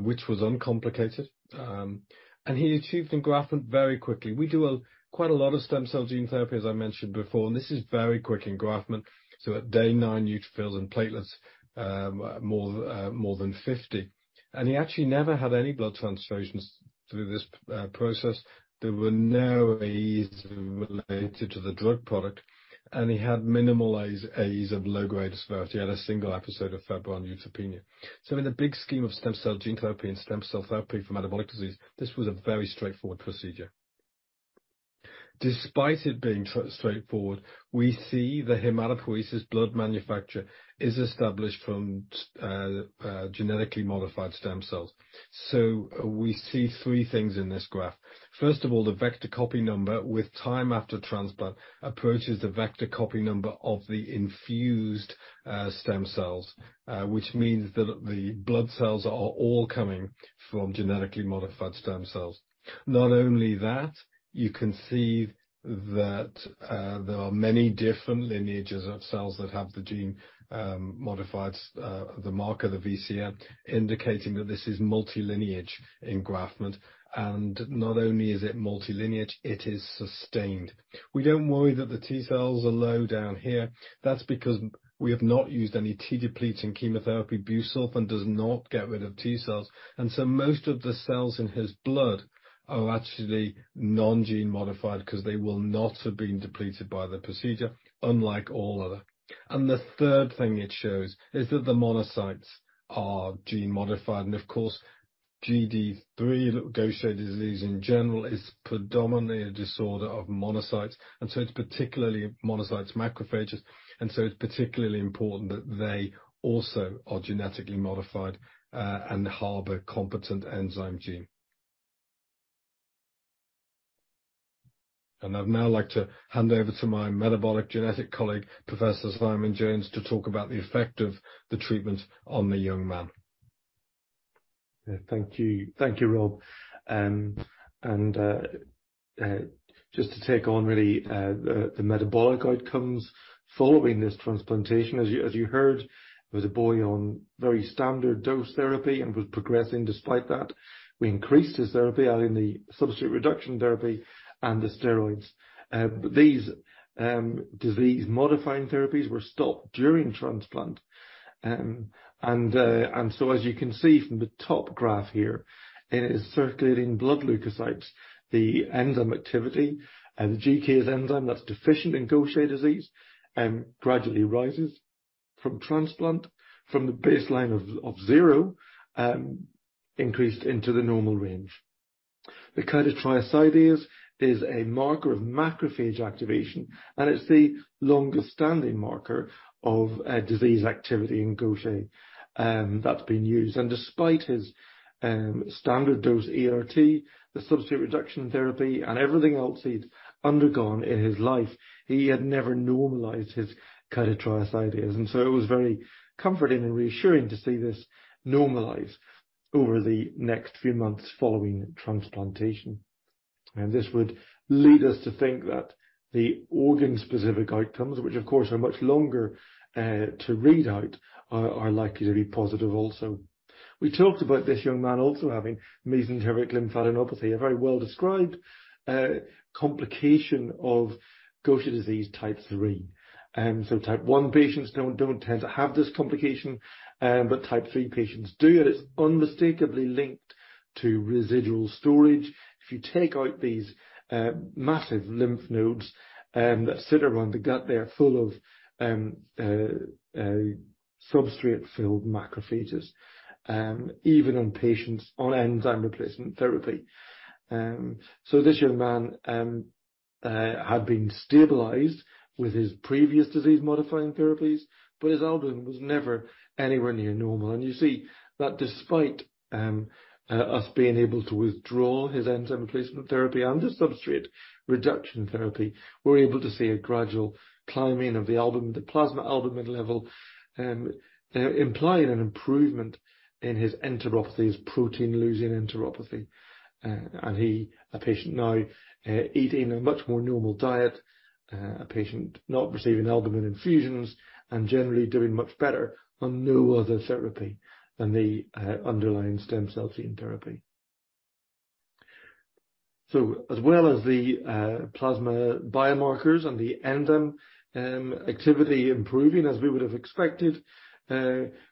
which was uncomplicated. He achieved engraftment very quickly. We do quite a lot of stem cell gene therapy, as I mentioned before, this is very quick engraftment, so at day nine, neutrophils and platelets more than 50. He actually never had any blood transfusions through this process. There were no AEs related to the drug product, he had minimal AS, AEs of low-grade severity and a single episode of febrile neutropenia. In the big scheme of stem cell gene therapy and stem cell therapy for metabolic disease, this was a very straightforward procedure. Despite it being straightforward, we see the hematopoiesis blood manufacture is established from genetically modified stem cells. We see three things in this graph. First of all, the vector copy number with time after transplant approaches the vector copy number of the infused stem cells, which means that the blood cells are all coming from genetically modified stem cells. Not only that, you can see that there are many different lineages of cells that have the gene modified, the marker, the VCN, indicating that this is multi-lineage engraftment, and not only is it multi-lineage, it is sustained. We don't worry that the T cells are low down here. That's because we have not used any T-depleting chemotherapy. busulfan does not get rid of T cells, so most of the cells in his blood are actually non-gene modified because they will not have been depleted by the procedure, unlike all other. The third thing it shows is that the monocytes are gene modified. Of course, GD3, Gaucher disease in general, is predominantly a disorder of monocytes. So it's particularly monocytes, macrophages, and so it's particularly important that they also are genetically modified, and harbor competent enzyme gene. I'd now like to hand over to my metabolic genetic colleague, Professor Simon Jones, to talk about the effect of the treatment on the young man. Thank you. Thank you, Rob. Just to take on really the metabolic outcomes following this transplantation. As you heard, it was a boy on very standard dose therapy and was progressing despite that. We increased his therapy, adding the substrate reduction therapy and the steroids. These disease modifying therapies were stopped during transplant. As you can see from the top graph here in his circulating blood leukocytes, the enzyme activity and the GCase enzyme that's deficient in Gaucher disease gradually rises from transplant from the baseline of 0, increased into the normal range. The chitotriosidase is a marker of macrophage activation, and it's the longest-standing marker of disease activity in Gaucher that's been used. Despite his standard dose ERT, the substrate reduction therapy and everything else he'd undergone in his life, he had never normalized his chitotriosidase. It was very comforting and reassuring to see this normalize over the next few months following transplantation. This would lead us to think that the organ-specific outcomes, which of course are much longer, to read out, are likely to be positive also. We talked about this young man also having mesenteric lymphadenopathy, a very well-described complication of Gaucher disease type 3. Type 1 patients don't tend to have this complication, but type three patients do. It's unmistakably linked to residual storage. If you take out these massive lymph nodes that sit around the gut, they are full of substrate filled macrophages, even on patients on enzyme replacement therapy. This young man had been stabilized with his previous disease modifying therapies, but his albumin was never anywhere near normal. You see that despite us being able to withdraw his enzyme replacement therapy and the substrate reduction therapy, we're able to see a gradual climbing of the albumin, the plasma albumin level, implying an improvement in his enteropathy, his protein-losing enteropathy. He a patient now, eating a much more normal diet, a patient not receiving albumin infusions and generally doing much better on no other therapy than the underlying stem cell gene therapy. As well as the plasma biomarkers and the enzyme activity improving as we would have expected,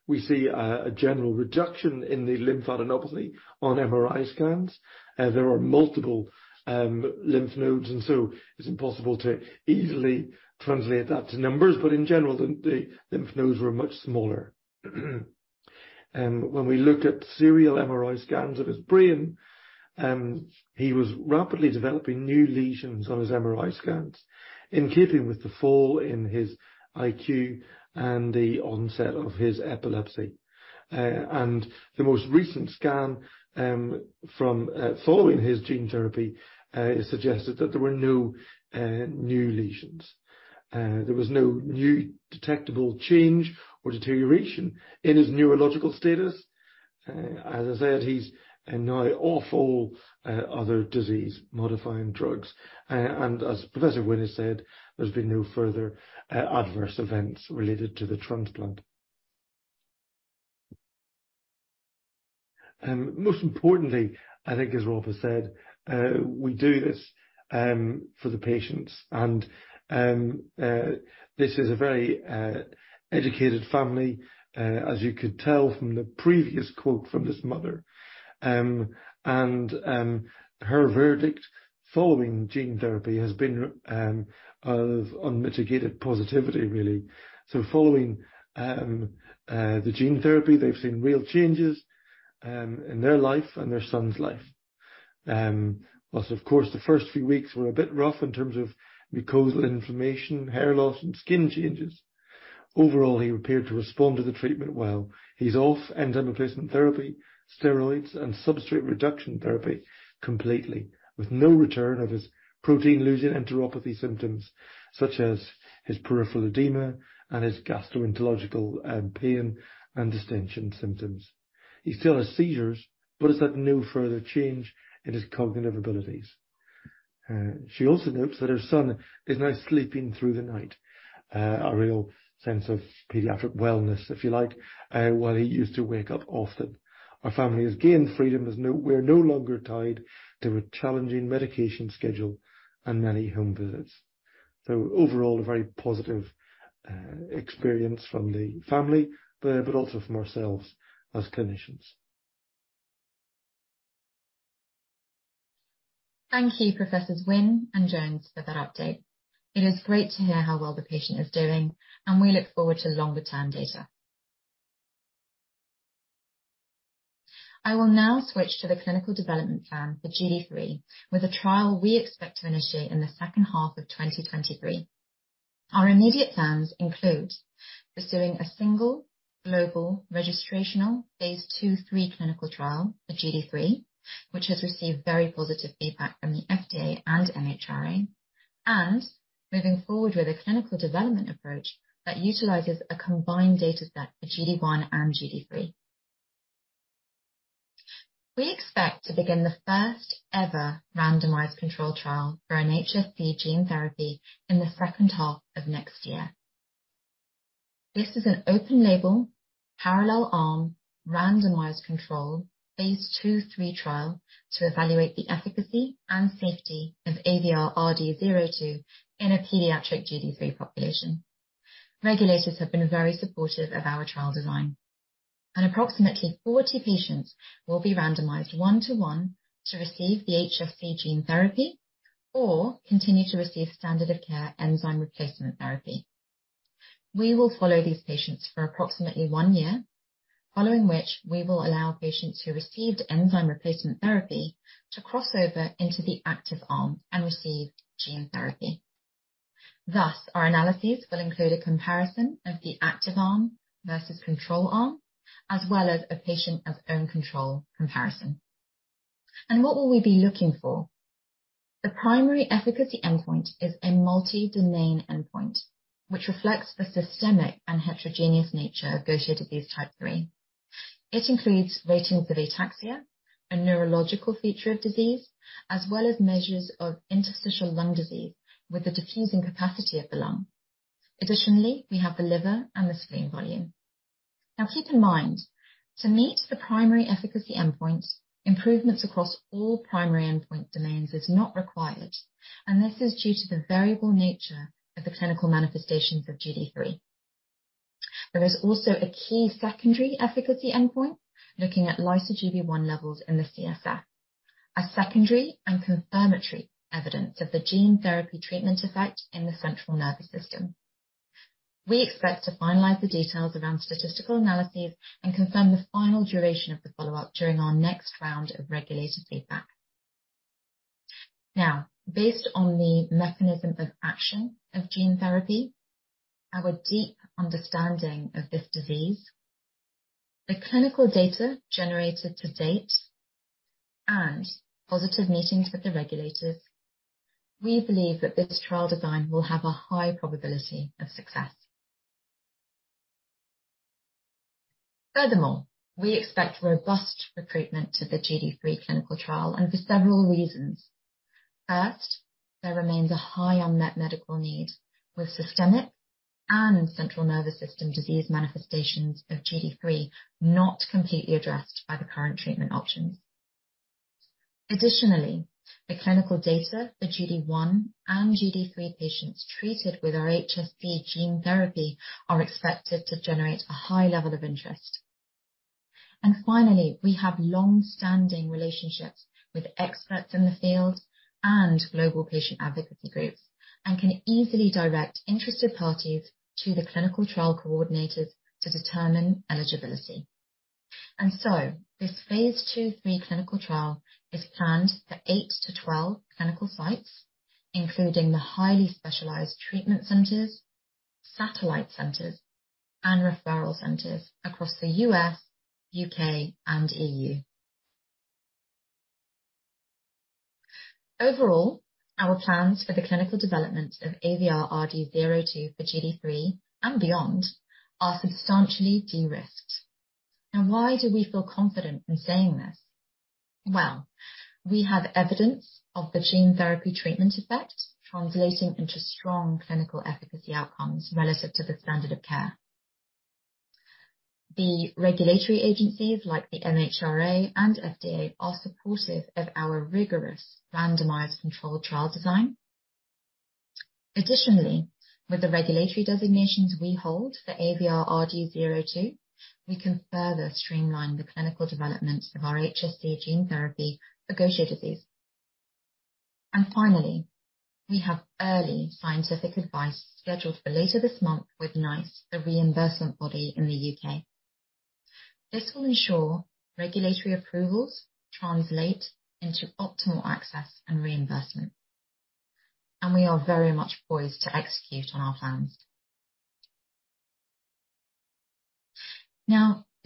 we see a general reduction in the lymphadenopathy on MRI scans. There are multiple lymph nodes, it's impossible to easily translate that to numbers. In general, the lymph nodes were much smaller. When we looked at serial MRI scans of his brain, he was rapidly developing new lesions on his MRI scans in keeping with the fall in his IQ and the onset of his epilepsy. The most recent scan from following his gene therapy suggested that there were no new lesions. There was no new detectable change or deterioration in his neurological status. As I said, he's now off all other disease-modifying drugs. As Professor Wynn said, there's been no further adverse events related to the transplant. Most importantly, I think as Rob has said, we do this for the patients and this is a very educated family, as you could tell from the previous quote from this mother. Her verdict following gene therapy has been of unmitigated positivity really. Following the gene therapy, they've seen real changes in their life and their son's life. Whilst of course, the first few weeks were a bit rough in terms of mucosal inflammation, hair loss and skin changes. Overall, he appeared to respond to the treatment well. He's off enzyme replacement therapy, steroids and substrate reduction therapy completely, with no return of his protein-losing enteropathy symptoms such as his peripheral edema and his gastroenterological pain and distension symptoms. He still has seizures, but has had no further change in his cognitive abilities. She also notes that her son is now sleeping through the night. A real sense of pediatric wellness if you like, while he used to wake up often. Our family has gained freedom as we're no longer tied to a challenging medication schedule and many home visits. Overall, a very positive experience from the family, but also from ourselves as clinicians. Thank you Professors Wynn and Jones for that update. It is great to hear how well the patient is doing, and we look forward to longer-term data. I will now switch to the clinical development plan for GD3 with a trial we expect to initiate in the second half of 2023. Our immediate plans include pursuing a single global registrational phase II/III clinical trial for GD3, which has received very positive feedback from the FDA and NIH, and moving forward with a clinical development approach that utilizes a combined data set for GD1 and GD3. We expect to begin the first ever randomized control trial for an HSC gene therapy in the second half of next year. This is an open label, parallel arm, randomized control phase II/III trial to evaluate the efficacy and safety of AVR-RD-02 in a pediatric GD3 population. Regulators have been very supportive of our trial design. Approximately 40 patients will be randomized 1-to-1 to receive the HSC gene therapy or continue to receive standard of care enzyme replacement therapy. We will follow these patients for approximately 1 year, following which we will allow patients who received enzyme replacement therapy to cross over into the active arm and receive gene therapy. Thus, our analyses will include a comparison of the active arm versus control arm, as well as a patient of own control comparison. What will we be looking for? The primary efficacy endpoint is a multi-domain endpoint, which reflects the systemic and heterogeneous nature of Gaucher disease type 3. It includes ratings of ataxia, a neurological feature of disease, as well as measures of interstitial lung disease with the diffusing capacity of the lung. Additionally, we have the liver and the spleen volume. Keep in mind, to meet the primary efficacy endpoint, improvements across all primary endpoint domains is not required, and this is due to the variable nature of the clinical manifestations of GD3. There is also a key secondary efficacy endpoint looking at Lyso-Gb1 levels in the CSF, a secondary and confirmatory evidence of the gene therapy treatment effect in the central nervous system. We expect to finalize the details around statistical analyses and confirm the final duration of the follow-up during our next round of regulator feedback. Based on the mechanism of action of gene therapy, our deep understanding of this disease, the clinical data generated to date and positive meetings with the regulators, we believe that this trial design will have a high probability of success. Furthermore, we expect robust recruitment to the GD3 clinical trial and for several reasons. First, there remains a high unmet medical need with systemic and central nervous system disease manifestations of GD3 not completely addressed by the current treatment options. Additionally, the clinical data for GD1 and GD3 patients treated with our HSC gene therapy are expected to generate a high level of interest. Finally, we have long-standing relationships with experts in the field and global patient advocacy groups and can easily direct interested parties to the clinical trial coordinators to determine eligibility. This phase II/III clinical trial is planned for eight to 12 clinical sites, including the highly specialized treatment centers, satellite centers, and referral centers across the U.S., U.K., and EU. Overall, our plans for the clinical development of AVR-RD-02 for GD3 and beyond are substantially de-risked. Now, why do we feel confident in saying this? Well, we have evidence of the gene therapy treatment effect translating into strong clinical efficacy outcomes relative to the standard of care. The regulatory agencies like the MHRA and FDA are supportive of our rigorous randomized controlled trial design. Additionally, with the regulatory designations we hold for AVR-RD-02, we can further streamline the clinical development of our HSC gene therapy for Gaucher disease. Finally, we have early scientific advice scheduled for later this month with NICE, the reimbursement body in the U.K. This will ensure regulatory approvals translate into optimal access and reimbursement. We are very much poised to execute on our plans.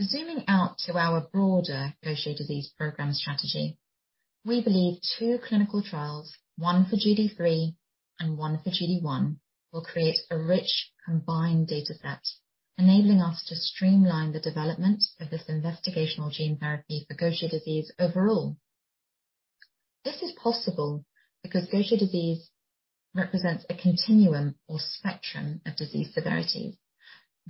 Zooming out to our broader Gaucher disease program strategy, we believe two clinical trials, one for GD3 and one for GD1, will create a rich combined data set, enabling us to streamline the development of this investigational gene therapy for Gaucher disease overall. This is possible because Gaucher disease represents a continuum or spectrum of disease severity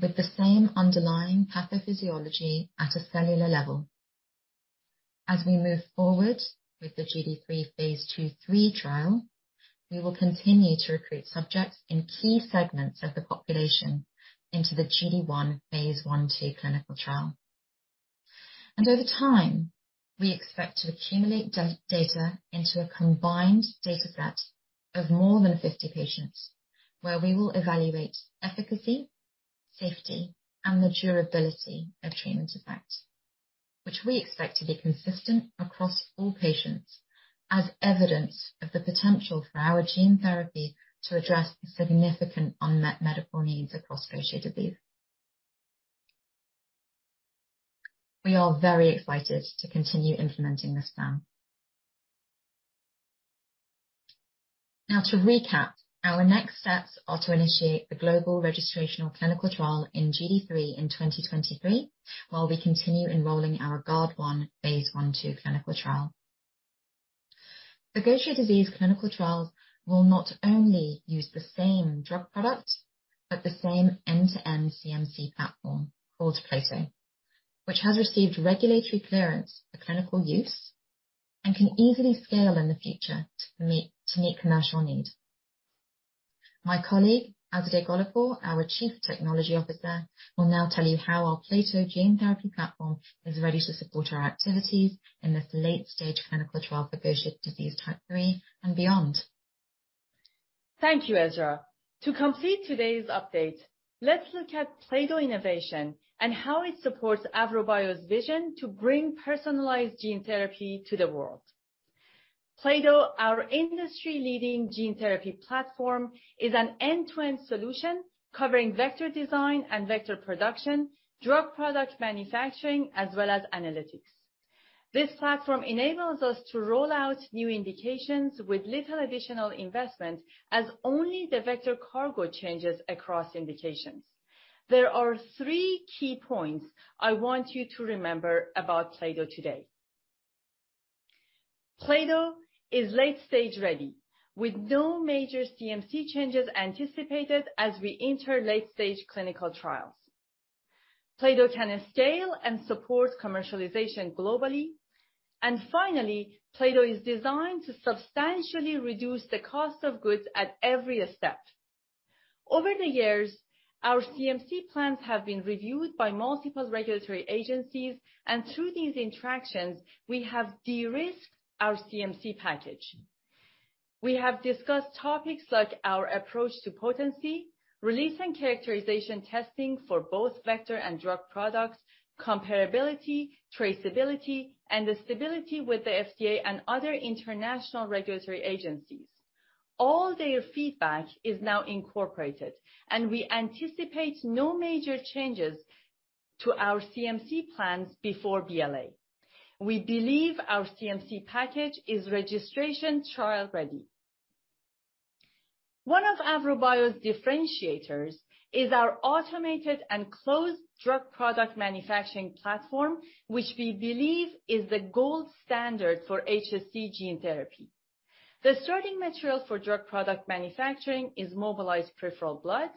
with the same underlying pathophysiology at a cellular level. As we move forward with the GD3 phase II/III trial, we will continue to recruit subjects in key segments of the population into the GD1 phase I/II clinical trial. Over time, we expect to accumulate data into a combined data set of more than 50 patients, where we will evaluate efficacy, safety, and the durability of treatment effect, which we expect to be consistent across all patients as evidence of the potential for our gene therapy to address significant unmet medical needs across Gaucher disease. We are very excited to continue implementing this plan. To recap, our next steps are to initiate the global registrational clinical trial in GD3 in 2023, while we continue enrolling our Guard1 phase I/II clinical trial. The Gaucher disease clinical trials will not only use the same drug product, but the same end-to-end CMC platform called plato, which has received regulatory clearance for clinical use and can easily scale in the future to meet commercial need. My colleague, Azadeh Golipour, our Chief Technology Officer, will now tell you how our plato gene therapy platform is ready to support our activities in this late-stage clinical trial for Gaucher disease type 3 and beyond. Thank you, Essra. To complete today's update, let's look at Plato innovation and how it supports AVROBIO's vision to bring personalized gene therapy to the world. Plato, our industry-leading gene therapy platform, is an end-to-end solution covering vector design and vector production, drug product manufacturing, as well as analytics. This platform enables us to roll out new indications with little additional investment as only the vector cargo changes across indications. There are three key points I want you to remember about Plato today. Plato is late-stage ready, with no major CMC changes anticipated as we enter late-stage clinical trials. Plato can scale and support commercialization globally. Finally, Plato is designed to substantially reduce the cost of goods at every step. Over the years, our CMC plans have been reviewed by multiple regulatory agencies, through these interactions, we have de-risked our CMC package. We have discussed topics like our approach to potency, release and characterization testing for both vector and drug products, comparability, traceability, and the stability with the FDA and other international regulatory agencies. All their feedback is now incorporated. We anticipate no major changes to our CMC plans before BLA. We believe our CMC package is registration trial ready. One of AVROBIO's differentiators is our automated and closed drug product manufacturing platform, which we believe is the gold standard for HSC gene therapy. The starting material for drug product manufacturing is mobilized peripheral blood.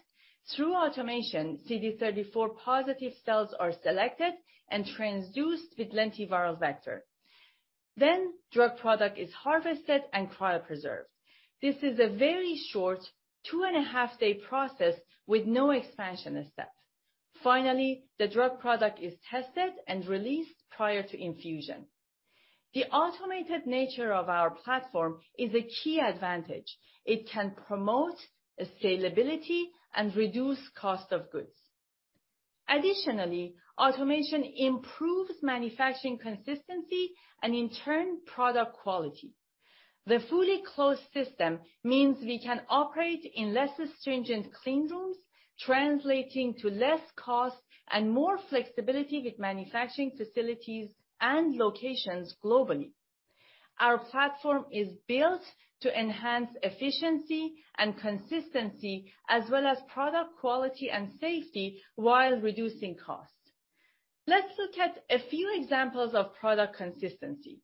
Through automation, CD34 positive cells are selected and transduced with lentiviral vector. Drug product is harvested and cryopreserved. This is a very short two-and-a-half day process with no expansion step. Finally, the drug product is tested and released prior to infusion. The automated nature of our platform is a key advantage. It can promote scalability and reduce cost of goods. Additionally, automation improves manufacturing consistency and in turn, product quality. The fully closed system means we can operate in less stringent clean rooms, translating to less cost and more flexibility with manufacturing facilities and locations globally. Our platform is built to enhance efficiency and consistency as well as product quality and safety while reducing cost. Let's look at a few examples of product consistency.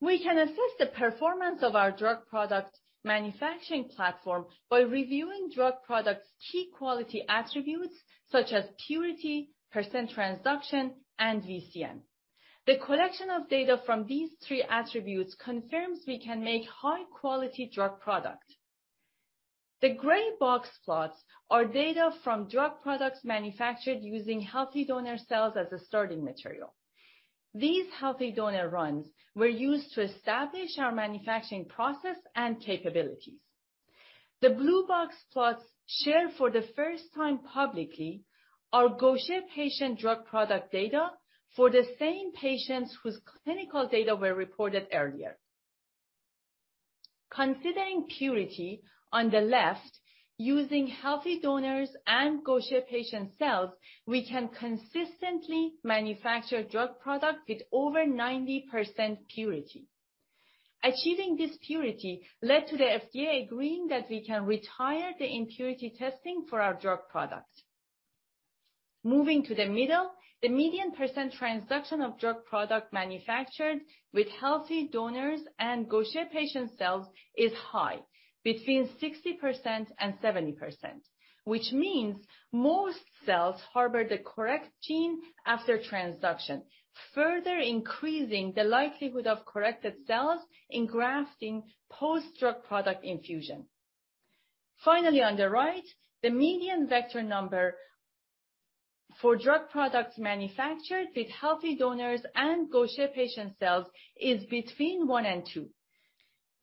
We can assess the performance of our drug product manufacturing platform by reviewing drug products' key quality attributes such as purity, % transduction, and VCN. The collection of data from these three attributes confirms we can make high-quality drug product. The gray box plots are data from drug products manufactured using healthy donor cells as a starting material. These healthy donor runs were used to establish our manufacturing process and capabilities. The blue box plots share for the first time publicly our Gaucher patient drug product data for the same patients whose clinical data were reported earlier. Considering purity on the left, using healthy donors and Gaucher patient cells, we can consistently manufacture drug product with over 90% purity. Achieving this purity led to the FDA agreeing that we can retire the impurity testing for our drug product. Moving to the middle, the median percent transduction of drug product manufactured with healthy donors and Gaucher patient cells is high, between 60% and 70%, which means most cells harbor the correct gene after transduction, further increasing the likelihood of corrected cells in grafting post-drug product infusion. Finally, on the right, the median vector number for drug products manufactured with healthy donors and Gaucher patient cells is between 1 and 2.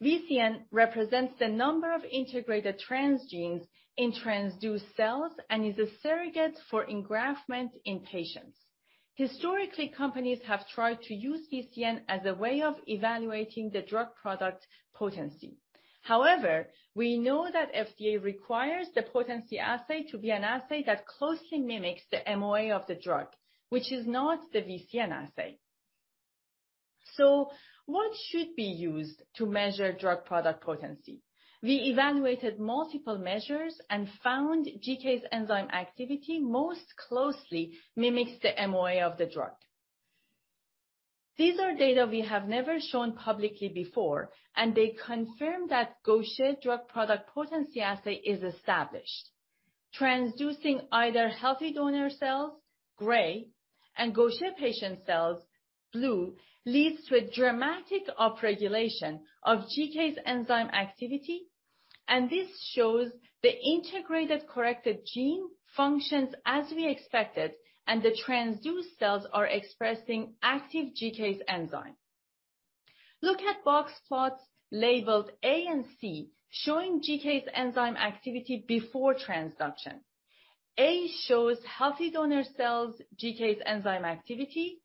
VCN represents the number of integrated transgenes in transduced cells and is a surrogate for engraftment in patients. Historically, companies have tried to use VCN as a way of evaluating the drug product potency. However, we know that FDA requires the potency assay to be an assay that closely mimics the MOA of the drug, which is not the VCN assay. What should be used to measure drug product potency? We evaluated multiple measures and found GCase enzyme activity most closely mimics the MOA of the drug. These are data we have never shown publicly before, and they confirm that Gaucher drug product potency assay is established. Transducing either healthy donor cells, gray, and Gaucher patient cells, blue, leads to a dramatic upregulation of GCase enzyme activity, and this shows the integrated corrected gene functions as we expected, and the transduced cells are expressing active GCase enzyme. Look at box plots labeled A and C showing GCase enzyme activity before transduction. A shows healthy donor cells GCase enzyme activity.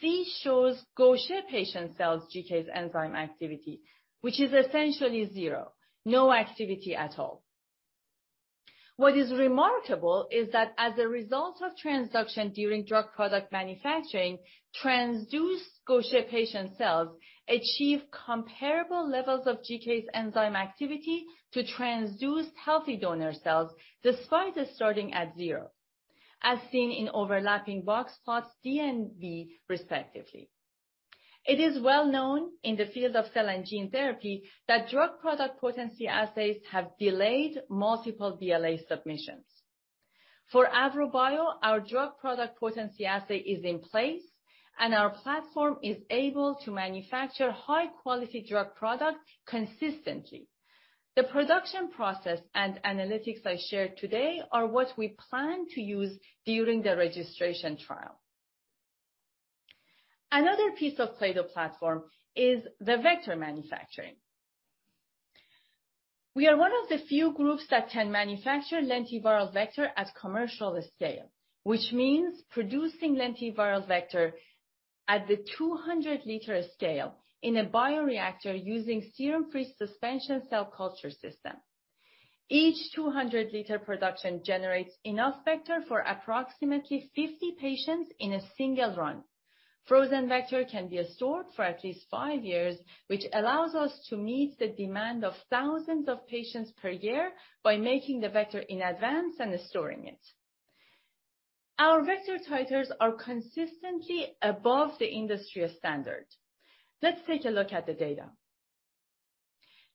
C shows Gaucher patient cells GCase enzyme activity, which is essentially zero, no activity at all. What is remarkable is that as a result of transduction during drug product manufacturing, transduced Gaucher patient cells achieve comparable levels of GCase enzyme activity to transduced healthy donor cells despite it starting at zero, as seen in overlapping box plots D and B respectively. It is well known in the field of cell and gene therapy that drug product potency assays have delayed multiple BLA submissions. For AVROBIO, our drug product potency assay is in place, and our platform is able to manufacture high-quality drug products consistently. The production process and analytics I shared today are what we plan to use during the registration trial. Another piece of plato platform is the vector manufacturing. We are one of the few groups that can manufacture lentiviral vector at commercial scale, which means producing lentiviral vector at the 200 liter scale in a bioreactor using serum-free suspension cell culture system. Each 200 liter production generates enough vector for approximately 50 patients in a single run. Frozen vector can be stored for at least five years, which allows us to meet the demand of thousands of patients per year by making the vector in advance and storing it. Our vector titers are consistently above the industry standard. Let's take a look at the data.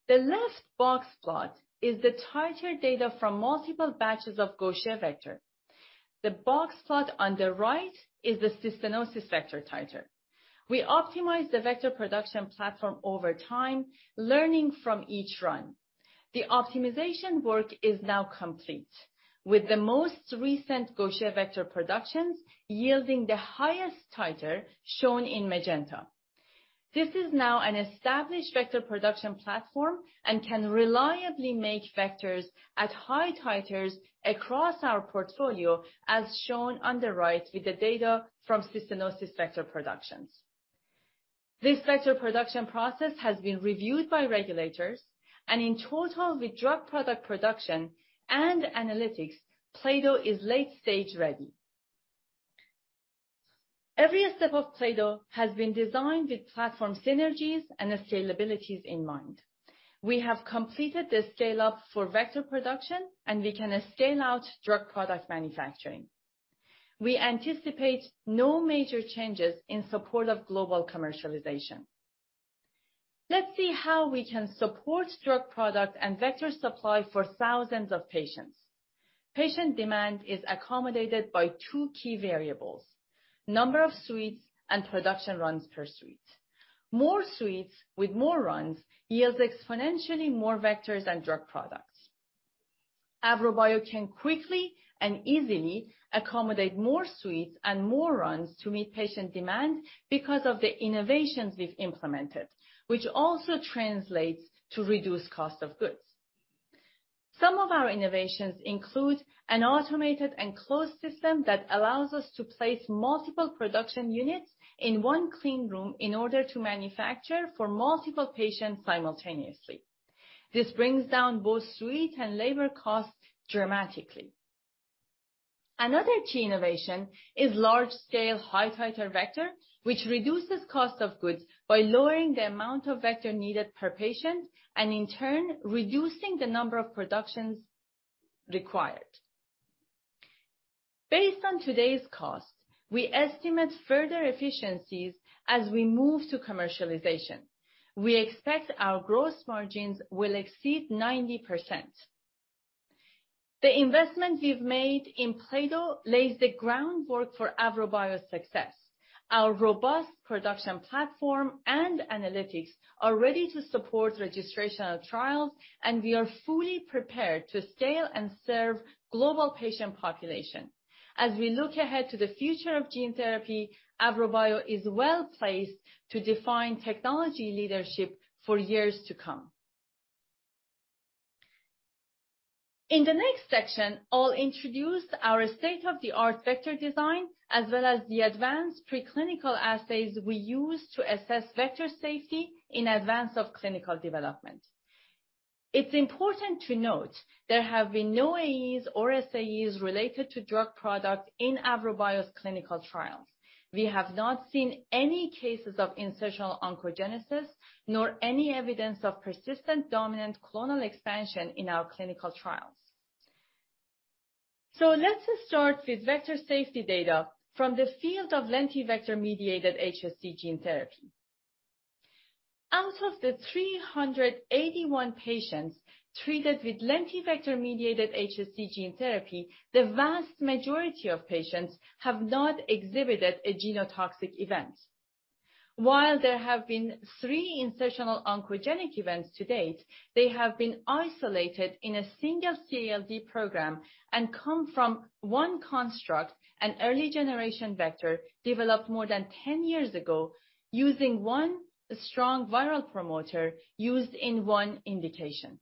The left box plot is the titer data from multiple batches of Gaucher vector. The box plot on the right is the cystinosis vector titer. We optimized the vector production platform over time, learning from each run. The optimization work is now complete, with the most recent Gaucher vector productions yielding the highest titer shown in magenta. This is now an established vector production platform and can reliably make vectors at high titers across our portfolio, as shown on the right with the data from cystinosis vector productions. This vector production process has been reviewed by regulators. In total, with drug product production and analytics, plato is late-stage ready. Every step of plato has been designed with platform synergies and scalabilities in mind. We have completed the scale-up for vector production and we can scale-out drug product manufacturing. We anticipate no major changes in support of global commercialization. Let's see how we can support drug product and vector supply for thousands of patients. Patient demand is accommodated by two key variables, number of suites and production runs per suite. More suites with more runs yields exponentially more vectors and drug products. AVROBIO can quickly and easily accommodate more suites and more runs to meet patient demand because of the innovations we've implemented, which also translates to reduced cost of goods. Some of our innovations include an automated and closed system that allows us to place multiple production units in one clean room in order to manufacture for multiple patients simultaneously. This brings down both suite and labor costs dramatically. Another key innovation is large-scale high-titer vector, which reduces cost of goods by lowering the amount of vector needed per patient and in turn, reducing the number of productions required. Based on today's cost, we estimate further efficiencies as we move to commercialization. We expect our gross margins will exceed 90%. The investments we've made in plato lays the groundwork for AVROBIO's success. Our robust production platform and analytics are ready to support registrational trials. We are fully prepared to scale and serve global patient population. As we look ahead to the future of gene therapy, AVROBIO is well-placed to define technology leadership for years to come. In the next section, I'll introduce our state-of-the-art vector design, as well as the advanced preclinical assays we use to assess vector safety in advance of clinical development. It's important to note there have been no AEs or SAEs related to drug product in AVROBIO's clinical trials. We have not seen any cases of insertional oncogenesis, nor any evidence of persistent dominant clonal expansion in our clinical trials. Let's start with vector safety data from the field of lentivector-mediated HSC gene therapy. Out of the 381 patients treated with lentivector-mediated HSC gene therapy, the vast majority of patients have not exhibited a genotoxic event. While there have been three insertional oncogenic events to date, they have been isolated in a single CLD program and come from one construct, an early generation vector developed more than 10 years ago, using one strong viral promoter used in one indication.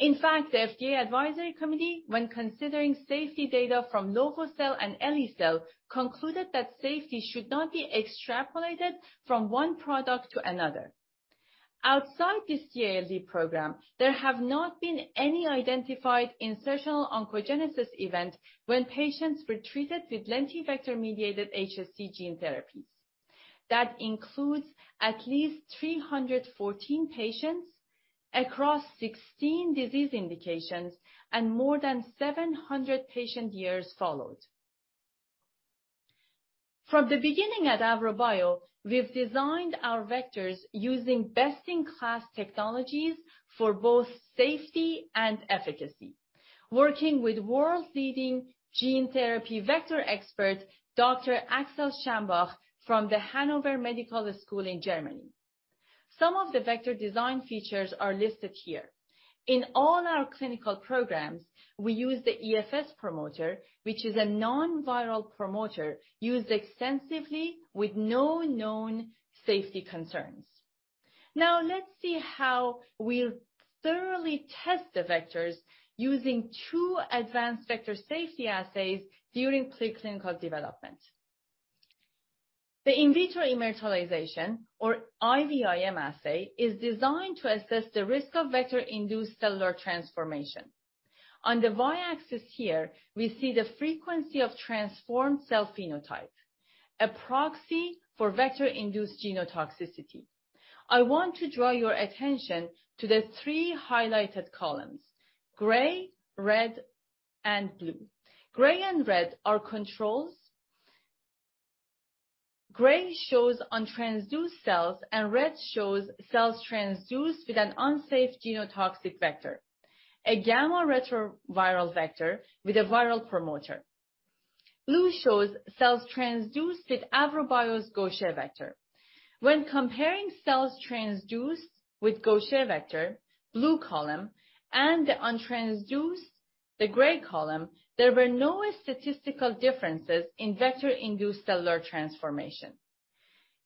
In fact, the FDA advisory committee, when considering safety data from lovo-cel and LE cell, concluded that safety should not be extrapolated from one product to another. Outside this CLD program, there have not been any identified insertional oncogenesis event when patients were treated with lentivector-mediated HSC gene therapies. That includes at least 314 patients across 16 disease indications and more than 700 patient years followed. From the beginning at AVROBIO, we've designed our vectors using best-in-class technologies for both safety and efficacy. Working with world's leading gene therapy vector expert, Dr. Axel Schambach from the Hannover Medical School in Germany. Some of the vector design features are listed here. In all our clinical programs, we use the EFS promoter, which is a non-viral promoter used extensively with no known safety concerns. Let's see how we thoroughly test the vectors using 2 advanced vector safety assays during preclinical development. The in vitro immortalization, or IVIM assay, is designed to assess the risk of vector-induced cellular transformation. On the Y-axis here, we see the frequency of transformed cell phenotype, a proxy for vector-induced genotoxicity. I want to draw your attention to the 3 highlighted columns: gray, red, and blue. Gray and red are controls. Gray shows untransduced cells, and red shows cells transduced with an unsafe genotoxic vector, a gamma-retroviral vector with a viral promoter. Blue shows cells transduced with AVROBIO's Gaucher vector. When comparing cells transduced with Gaucher vector, blue column, and the untransduced, the gray column, there were no statistical differences in vector-induced cellular transformation.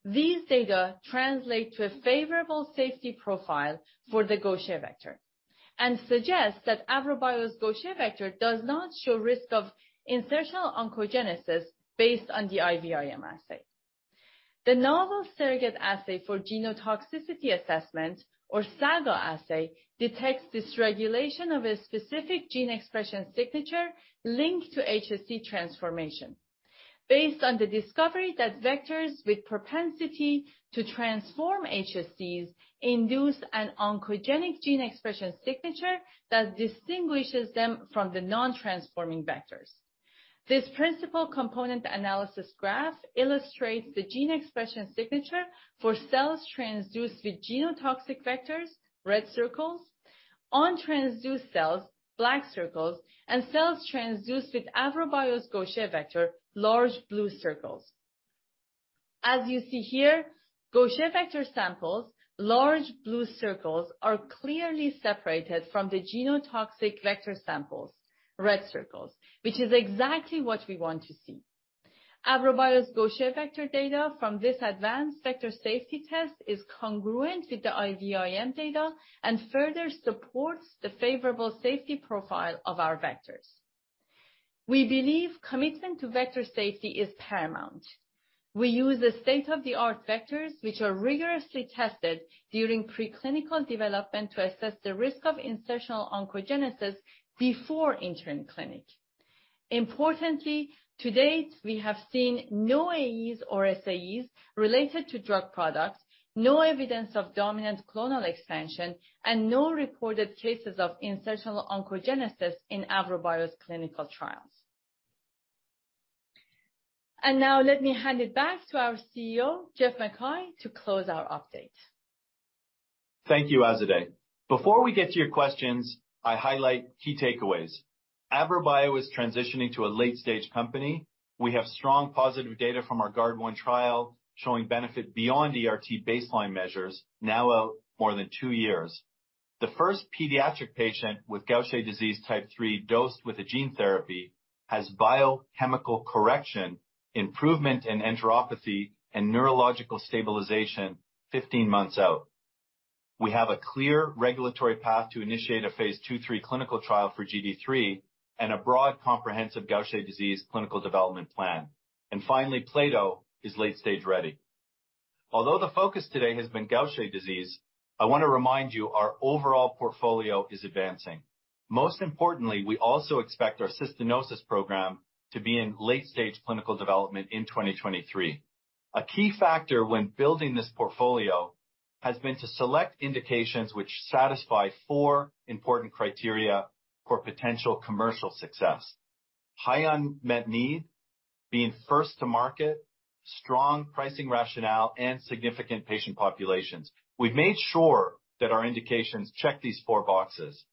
These data translate to a favorable safety profile for the Gaucher vector and suggests that AVROBIO's Gaucher vector does not show risk of insertional oncogenesis based on the IVIM assay. The novel surrogate assay for genotoxicity assessment, or SAGA assay, detects dysregulation of a specific gene expression signature linked to HSC transformation. Based on the discovery that vectors with propensity to transform HSCs induce an oncogenic gene expression signature that distinguishes them from the non-transforming vectors. This principal component analysis graph illustrates the gene expression signature for cells transduced with genotoxic vectors, red circles, untransduced cells, black circles, and cells transduced with AVROBIO's Gaucher vector, large blue circles. As you see here, Gaucher vector samples, large blue circles, are clearly separated from the genotoxic vector samples, red circles, which is exactly what we want to see. AVROBIO's Gaucher vector data from this advanced vector safety test is congruent with the IVIM data and further supports the favorable safety profile of our vectors. We believe commitment to vector safety is paramount. We use state-of-the-art vectors which are rigorously tested during preclinical development to assess the risk of insertional oncogenesis before entering clinic. Importantly, to date, we have seen no AEs or SAEs related to drug products, no evidence of dominant clonal expansion, and no reported cases of insertional oncogenesis in AVROBIO's clinical trials. Now let me hand it back to our CEO, Geoff MacKay, to close our update. Thank you, Azadeh. Before we get to your questions, I highlight key takeaways. AVROBIO is transitioning to a late-stage company. We have strong positive data from our Guard1 trial showing benefit beyond ERT baseline measures now out more than two years. The first pediatric patient with Gaucher disease type 3 dosed with a gene therapy has biochemical correction, improvement in enteropathy and neurological stabilization 15 months out. We have a clear regulatory path to initiate a phase II/III clinical trial for GD3 and a broad comprehensive Gaucher disease clinical development plan. Finally, PLATO is late-stage ready. Although the focus today has been Gaucher disease, I wanna remind you our overall portfolio is advancing. Most importantly, we also expect our cystinosis program to be in late-stage clinical development in 2023. A key factor when building this portfolio has been to select indications which satisfy 4 important criteria for potential commercial success: high unmet need, being first to market, strong pricing rationale and significant patient populations. We've made sure that our indications check these 4 boxes.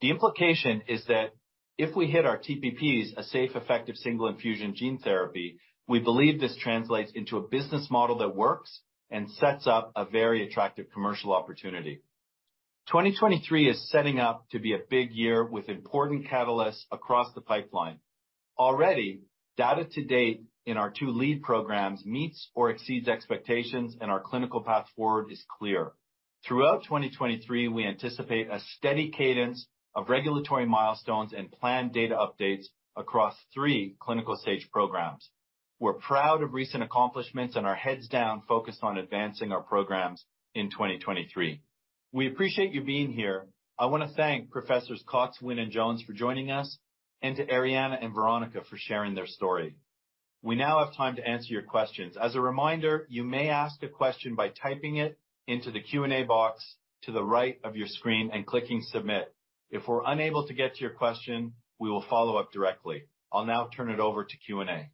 The implication is that if we hit our TPP, a safe, effective single infusion gene therapy, we believe this translates into a business model that works and sets up a very attractive commercial opportunity. 2023 is setting up to be a big year with important catalysts across the pipeline. Already, data to date in our 2 lead programs meets or exceeds expectations, and our clinical path forward is clear. Throughout 2023, we anticipate a steady cadence of regulatory milestones and planned data updates across 3 clinical stage programs. We're proud of recent accomplishments and are heads down focused on advancing our programs in 2023. We appreciate you being here. I wanna thank Professors Cox, Wynn, and Jones for joining us, and to Arianna and Veronica for sharing their story. We now have time to answer your questions. As a reminder, you may ask a question by typing it into the Q&A box to the right of your screen and clicking Send. If we're unable to get to your question, we will follow up directly. I'll now turn it over to Q&A. Spleen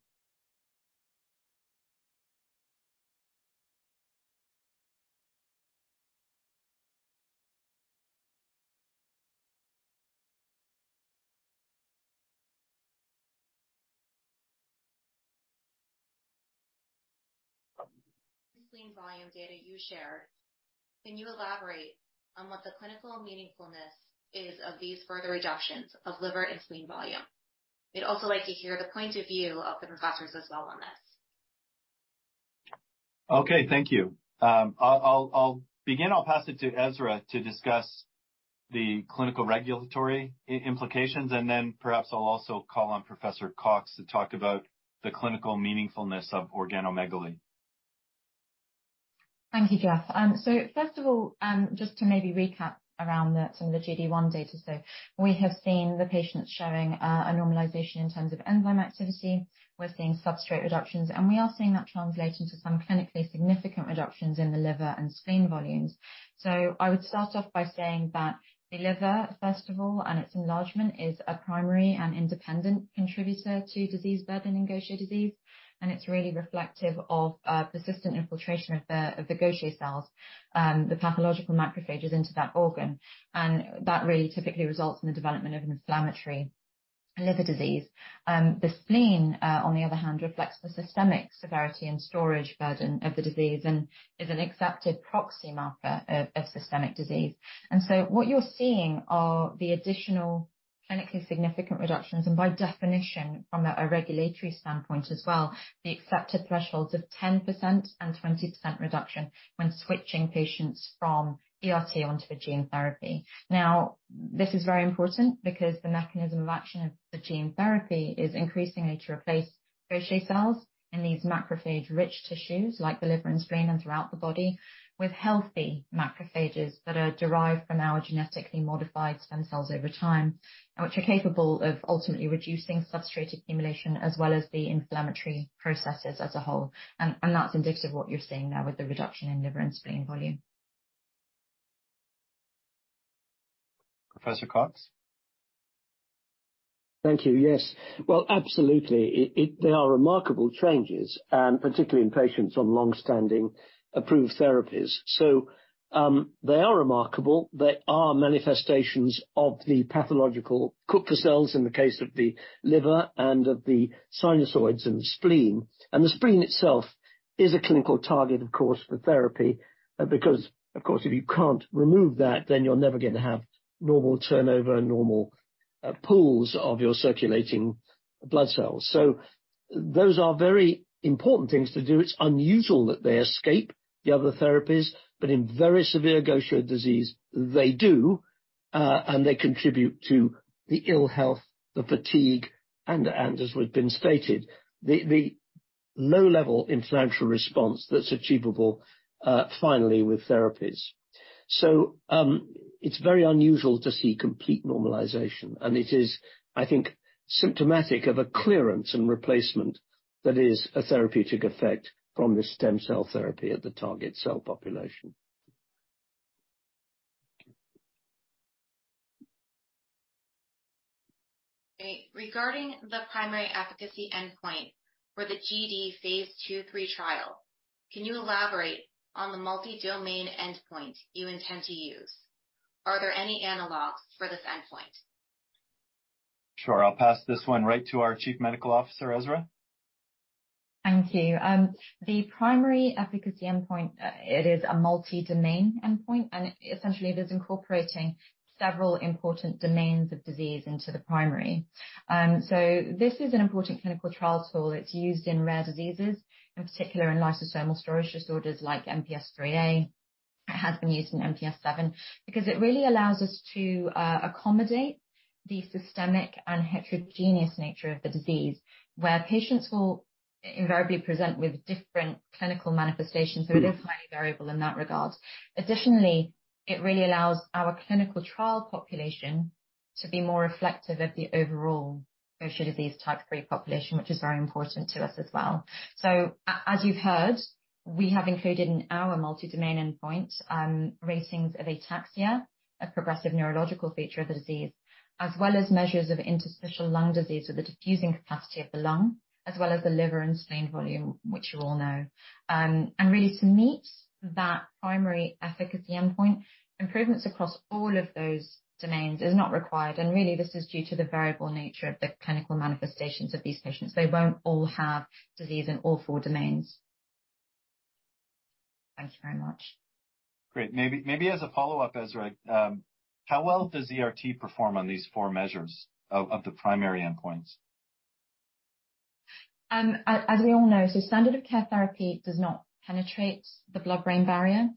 volume data you shared, can you elaborate on what the clinical meaningfulness is of these further reductions of liver and spleen volume? We'd also like to hear the point of view of the professors as well on this. Okay, thank you. I'll begin. I'll pass it to Essra to discuss the clinical regulatory implications, and then perhaps I'll also call on Professor Cox to talk about the clinical meaningfulness of organomegaly. Thank you, Geoff. First of all, just to maybe recap around some of the GD1 data. We have seen the patients showing a normalization in terms of enzyme activity. We're seeing substrate reductions, and we are seeing that translating to some clinically significant reductions in the liver and spleen volumes. I would start off by saying that the liver, first of all, and its enlargement is a primary and independent contributor to disease burden in Gaucher disease, and it's really reflective of persistent infiltration of the Gaucher cells, the pathological macrophages into that organ. That really typically results in the development of an inflammatory liver disease. The spleen, on the other hand, reflects the systemic severity and storage burden of the disease and is an accepted proxy marker of systemic disease. What you're seeing are the additional clinically significant reductions, and by definition, from a regulatory standpoint as well, the accepted thresholds of 10% and 20% reduction when switching patients from ERT onto a gene therapy. This is very important because the mechanism of action of the gene therapy is increasingly to replace Gaucher cells in these macrophage-rich tissues like the liver and spleen and throughout the body, with healthy macrophages that are derived from our genetically modified stem cells over time, which are capable of ultimately reducing substrate accumulation as well as the inflammatory processes as a whole. That's indicative of what you're seeing there with the reduction in liver and spleen volume. Professor Cox? Thank you. Yes. Well, absolutely. They are remarkable changes, particularly in patients on long-standing approved therapies. They are remarkable. They are manifestations of the pathological Kupffer cells in the case of the liver and of the sinusoids and the spleen. The spleen itself is a clinical target, of course, for therapy because, of course, if you can't remove that, then you're never gonna have normal turnover, normal pools of your circulating blood cells. Those are very important things to do. It's unusual that they escape the other therapies, but in very severe Gaucher disease, they do, and they contribute to the ill health, the fatigue, and as we've been stated, the low level inflammatory response that's achievable finally with therapies. It's very unusual to see complete normalization, and it is, I think, symptomatic of a clearance and replacement that is a therapeutic effect from the stem cell therapy at the target cell population. Okay. Regarding the primary efficacy endpoint for the GD phase II/III trial, can you elaborate on the multi-domain endpoint you intend to use? Are there any analogs for this endpoint? Sure. I'll pass this one right to our Chief Medical Officer, Essra. Thank you. The primary efficacy endpoint, it is a multi-domain endpoint, essentially it is incorporating several important domains of disease into the primary. This is an important clinical trial tool. It's used in rare diseases, in particular in lysosomal storage disorders like MPS IIIA. It has been used in MPS VII because it really allows us to accommodate the systemic and heterogeneous nature of the disease, where patients will invariably present with different clinical manifestations. It is highly variable in that regard. Additionally, it really allows our clinical trial population to be more reflective of the overall Gaucher disease type 3 population, which is very important to us as well. As you've heard, we have included in our multi-domain endpoint, ratings of ataxia, a progressive neurological feature of the disease, as well as measures of interstitial lung disease or the diffusing capacity of the lung, as well as the liver and spleen volume, which you all know. Really to meet that primary efficacy endpoint, improvements across all of those domains is not required. Really, this is due to the variable nature of the clinical manifestations of these patients. They won't all have disease in all four domains. Thank you very much. Great. Maybe as a follow-up, Essra, how well does ERT perform on these four measures of the primary endpoints? As we all know, standard of care therapy does not penetrate the blood-brain barrier,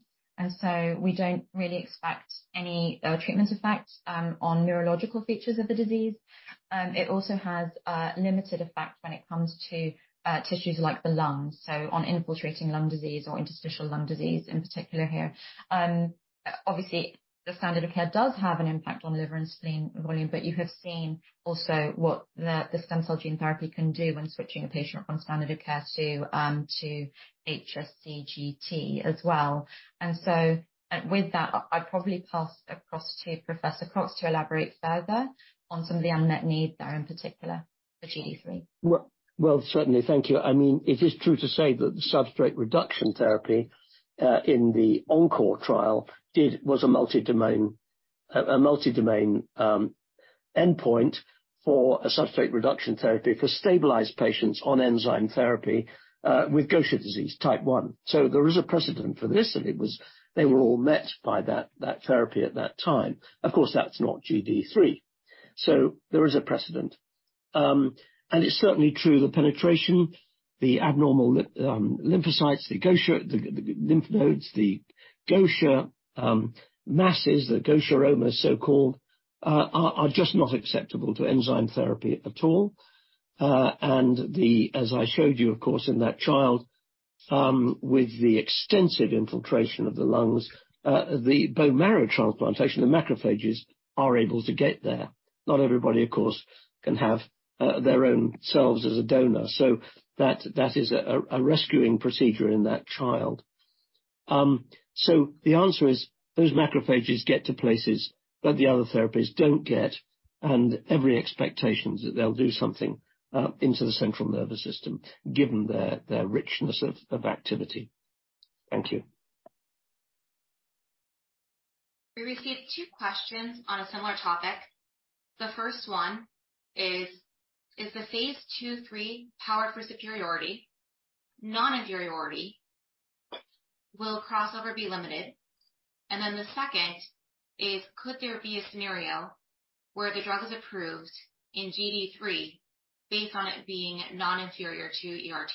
we don't really expect any treatment effect on neurological features of the disease. It also has a limited effect when it comes to tissues like the lungs, on infiltrating lung disease or interstitial lung disease in particular here. Obviously, the standard of care does have an impact on liver and spleen volume, but you have seen also what the stem cell gene therapy can do when switching a patient from standard of care to HSC GT as well. With that, I'd probably pass across to Helen Cross to elaborate further on some of the unmet need there, in particular for GD3. Well, certainly. Thank you. I mean, it is true to say that the substrate reduction therapy in the ENCORE trial was a multi-domain, a multi-domain endpoint for a substrate reduction therapy for stabilized patients on enzyme therapy with Gaucher disease type 1. There is a precedent for this, and it was they were all met by that therapy at that time. Of course, that's not GD3. There is a precedent. It's certainly true the penetration, the abnormal lymphocytes, the Gaucher, the lymph nodes, the Gaucher masses, the Gaucheroma, so-called, are just not acceptable to enzyme therapy at all. And as I showed you, of course, in that child, with the extensive infiltration of the lungs, the bone marrow transplantation, the macrophages are able to get there. Not everybody, of course, can have, their own selves as a donor, so that is a rescuing procedure in that child. The answer is those macrophages get to places that the other therapies don't get, and every expectation is that they'll do something, into the central nervous system, given their richness of activity. Thank you. We received two questions on a similar topic. The first one is the phase II/III powered for superiority, non-inferiority? Will crossover be limited? The second is, could there be a scenario where the drug is approved in GD3 based on it being non-inferior to ERT?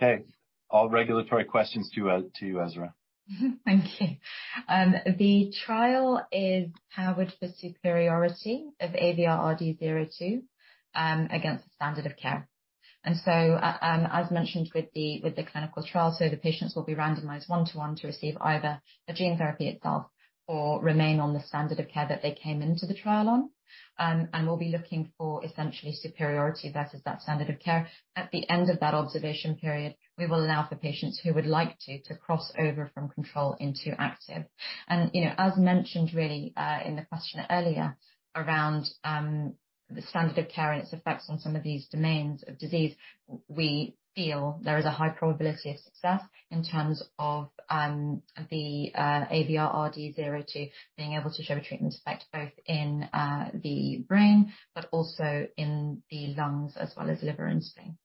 Okay. All regulatory questions to you, Essra. Thank you. The trial is powered for superiority of AVR-RD-02 against the standard of care. As mentioned with the clinical trial, the patients will be randomized 1-to-1 to receive either the gene therapy itself or remain on the standard of care that they came into the trial on. We'll be looking for essentially superiority versus that standard of care. At the end of that observation period, we will allow for patients who would like to cross over from control into active. You know, as mentioned really, in the question earlier around, the standard of care and its effects on some of these domains of disease, we feel there is a high probability of success in terms of, the, AVR-RD-02 being able to show a treatment effect both in, the brain but also in the lungs as well as liver and spleen.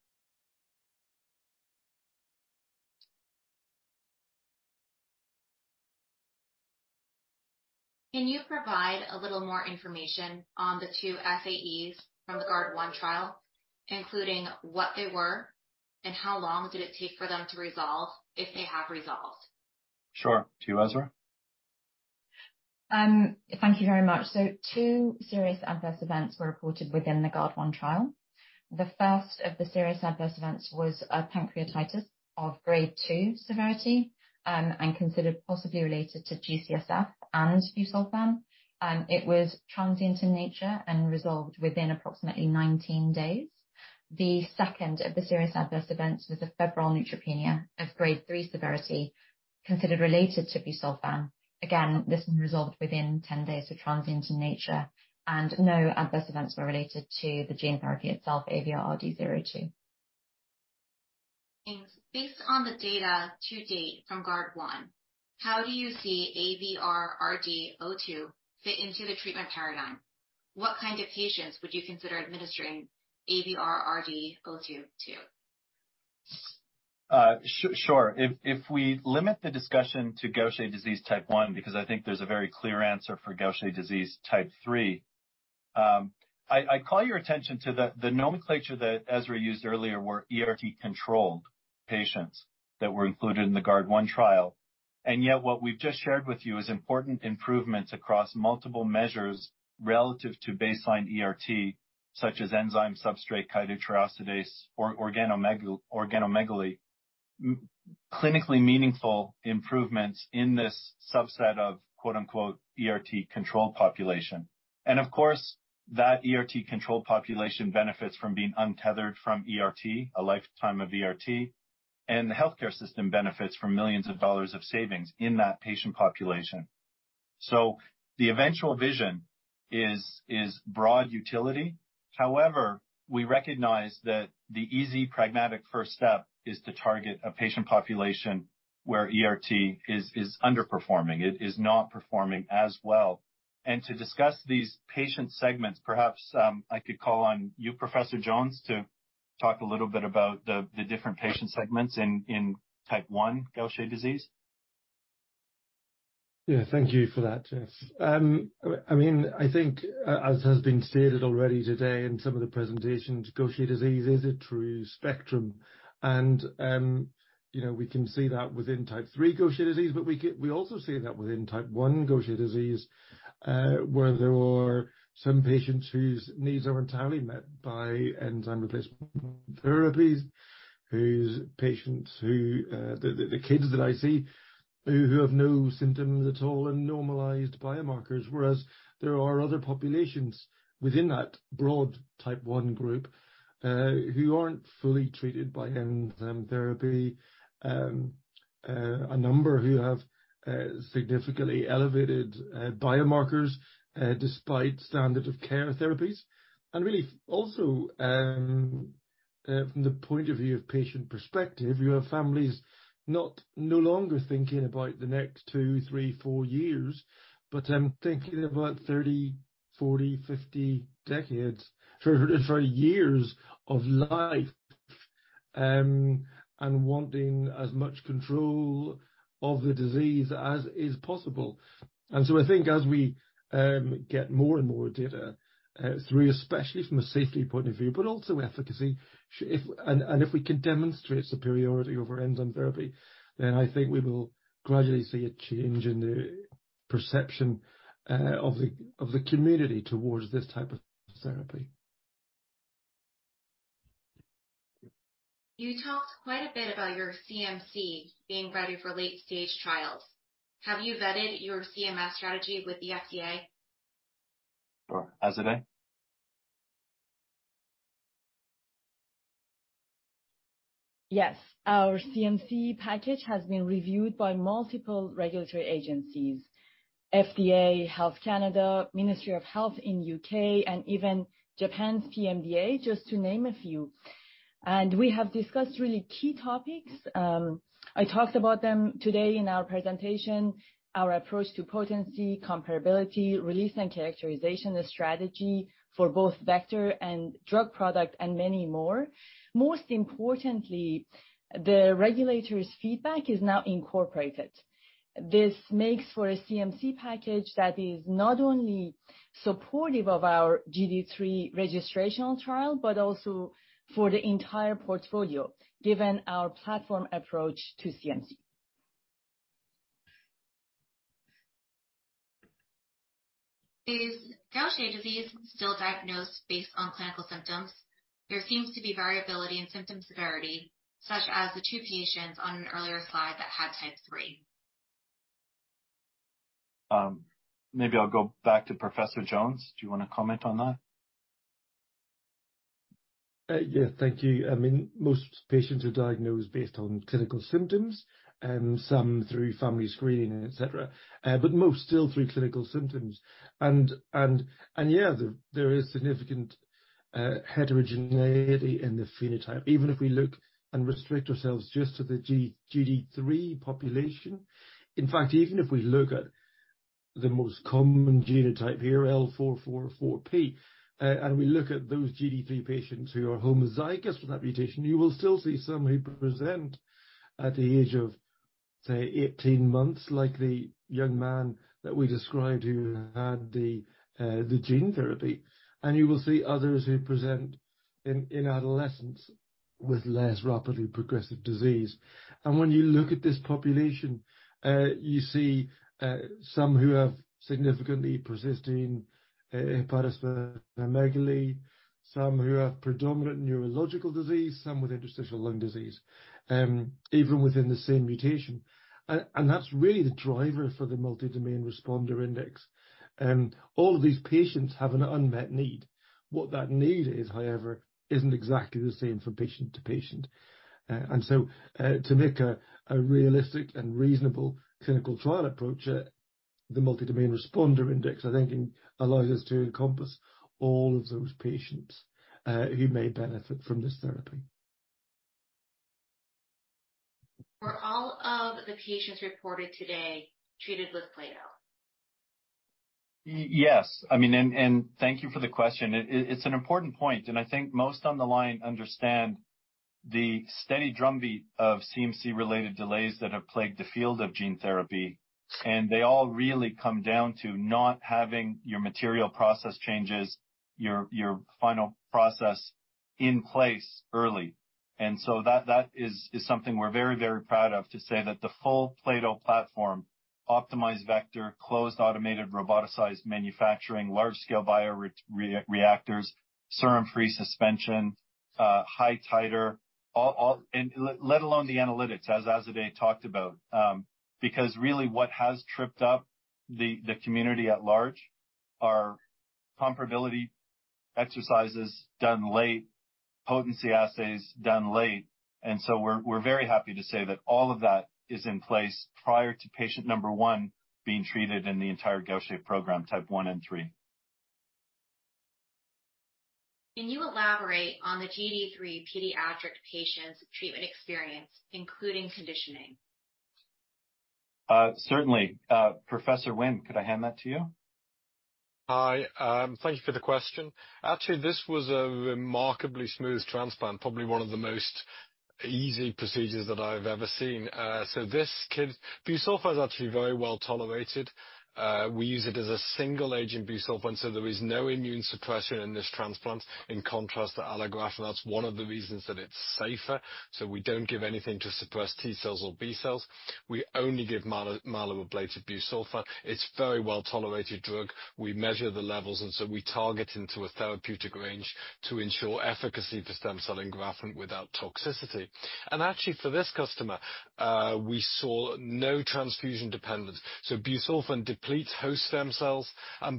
Can you provide a little more information on the two SAEs from the Guard1 trial, including what they were and how long did it take for them to resolve if they have resolved? Sure. To you, Essra. Thank you very much. Two serious adverse events were reported within the Guard1 trial. The first of the serious adverse events was pancreatitis of grade two severity, and considered possibly related to GCSF and busulfan. It was transient in nature and resolved within approximately 19 days. The second of the serious adverse events was a febrile neutropenia of grade three severity, considered related to busulfan. Again, this one resolved within 10 days, so transient in nature. No adverse events were related to the gene therapy itself, AVR-RD-02. Based on the data to date from Guard1, how do you see AVR-RD-02 fit into the treatment paradigm? What kind of patients would you consider administering AVR-RD-02 to? Sure. If we limit the discussion to Gaucher disease type 1, because I think there's a very clear answer for Gaucher disease type 3. I call your attention to the nomenclature that Essra used earlier were ERT-controlled patients that were included in the Guard1 trial. Yet, what we've just shared with you is important improvements across multiple measures relative to baseline ERT, such as enzyme substrate, chitotriosidase or organomegaly. Clinically meaningful improvements in this subset of quote-unquote, ERT controlled population. Of course, that ERT controlled population benefits from being untethered from ERT, a lifetime of ERT, and the healthcare system benefits from millions of dollars of savings in that patient population. The eventual vision is broad utility. However, we recognize that the easy pragmatic first step is to target a patient population where ERT is underperforming. It is not performing as well. To discuss these patient segments, perhaps, I could call on you, Professor Jones, to talk a little bit about the different patient segments in type one Gaucher disease. Yeah. Thank you for that, yes. I mean, I think as has been stated already today in some of the presentations, Gaucher disease is a true spectrum. you know, we can see that within type 3 Gaucher disease, but we also see that within type 1 Gaucher disease, where there are some patients whose needs are entirely met by enzyme replacement therapies, whose patients who, the kids that I see who have no symptoms at all and normalized biomarkers. Whereas there are other populations within that broad type 1 group who aren't fully treated by enzyme therapy. A number who have significantly elevated biomarkers despite standard of care therapies. Really also, from the point of view of patient perspective, you have families no longer thinking about the next 2, 3, 4 years, but thinking about 30, 40, 50 years of life, and wanting as much control of the disease as is possible. I think as we get more and more data, through, especially from a safety point of view, but also efficacy, if we can demonstrate superiority over enzyme therapy, then I think we will gradually see a change in the perception of the community towards this type of therapy. You talked quite a bit about your CMC being ready for late-stage trials. Have you vetted your CMC strategy with the FDA? Sure. Azadeh. Yes. Our CMC package has been reviewed by multiple regulatory agencies: FDA, Health Canada, Ministry of Health in UK, and even Japan's PMDA, just to name a few. We have discussed really key topics. I talked about them today in our presentation. Our approach to potency, comparability, release and characterization, the strategy for both vector and drug product, and many more. Most importantly, the regulators' feedback is now incorporated. This makes for a CMC package that is not only supportive of our GD3 registrational trial, but also for the entire portfolio, given our platform approach to CMC. Is Gaucher disease still diagnosed based on clinical symptoms? There seems to be variability in symptom severity, such as the two patients on an earlier slide that had type three. Maybe I'll go back to Professor Jones. Do you wanna comment on that? Yeah. Thank you. I mean, most patients are diagnosed based on clinical symptoms and some through family screening, et cetera. But most still through clinical symptoms. Yeah, there is significant heterogeneity in the phenotype, even if we look and restrict ourselves just to the GD3 population. In fact, even if we look at the most common genotype here, L444P, and we look at those GD3 patients who are homozygous for that mutation, you will still see some who present at the age of, say, 18 months, like the young man that we described who had the gene therapy. You will see others who present in adolescence with less rapidly progressive disease. When you look at this population, you see some who have significantly persisting hepatosplenomegaly, some who have predominant neurological disease, some with interstitial lung disease, even within the same mutation. That's really the driver for the Multi-Domain Responder Index. All of these patients have an unmet need. What that need is, however, isn't exactly the same from patient to patient. So to make a realistic and reasonable clinical trial approach. The Multi-Domain Responder Index, I think allows us to encompass all of those patients who may benefit from this therapy. Were all of the patients reported today treated with Plato? Yes. I mean. Thank you for the question. It's an important point, and I think most on the line understand the steady drumbeat of CMC related delays that have plagued the field of gene therapy. They all really come down to not having your material process changes, your final process in place early. That is something we're very, very proud of, to say that the full plato platform optimized vector, closed automated roboticized manufacturing, large scale bioreactors, serum-free suspension, high titer, all. Let alone the analytics, as Azadeh talked about. Because really what has tripped up the community at large are comparability exercises done late, potency assays done late. We're very happy to say that all of that is in place prior to patient number one being treated in the entire Gaucher program, type one and three. Can you elaborate on the GD3 pediatric patient's treatment experience, including conditioning? Certainly. Professor Wynn, could I hand that to you? Hi. Thank you for the question. Actually, this was a remarkably smooth transplant, probably one of the most easy procedures that I've ever seen. This kid's busulfan is actually very well tolerated. We use it as a single agent busulfan, so there is no immune suppression in this transplant, in contrast to allograft. That's one of the reasons that it's safer. We don't give anything to suppress T cells or B cells. We only give myeloablative busulfan. It's a very well tolerated drug. We measure the levels, and so we target into a therapeutic range to ensure efficacy for stem cell engraftment without toxicity. Actually, for this customer, we saw no transfusion dependence. Busulfan depletes host stem cells,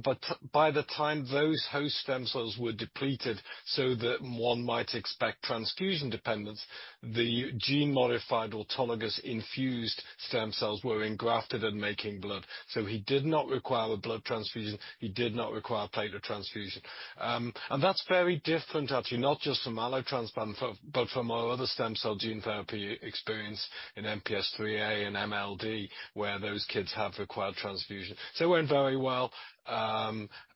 but by the time those host stem cells were depleted so that one might expect transfusion dependence, the gene-modified autologous infused stem cells were engrafted and making blood. He did not require a blood transfusion. He did not require platelet transfusion. And that's very different, actually, not just from allo transplant but from our other stem cell gene therapy experience in MPS IIIA and MLD, where those kids have required transfusion. It went very well.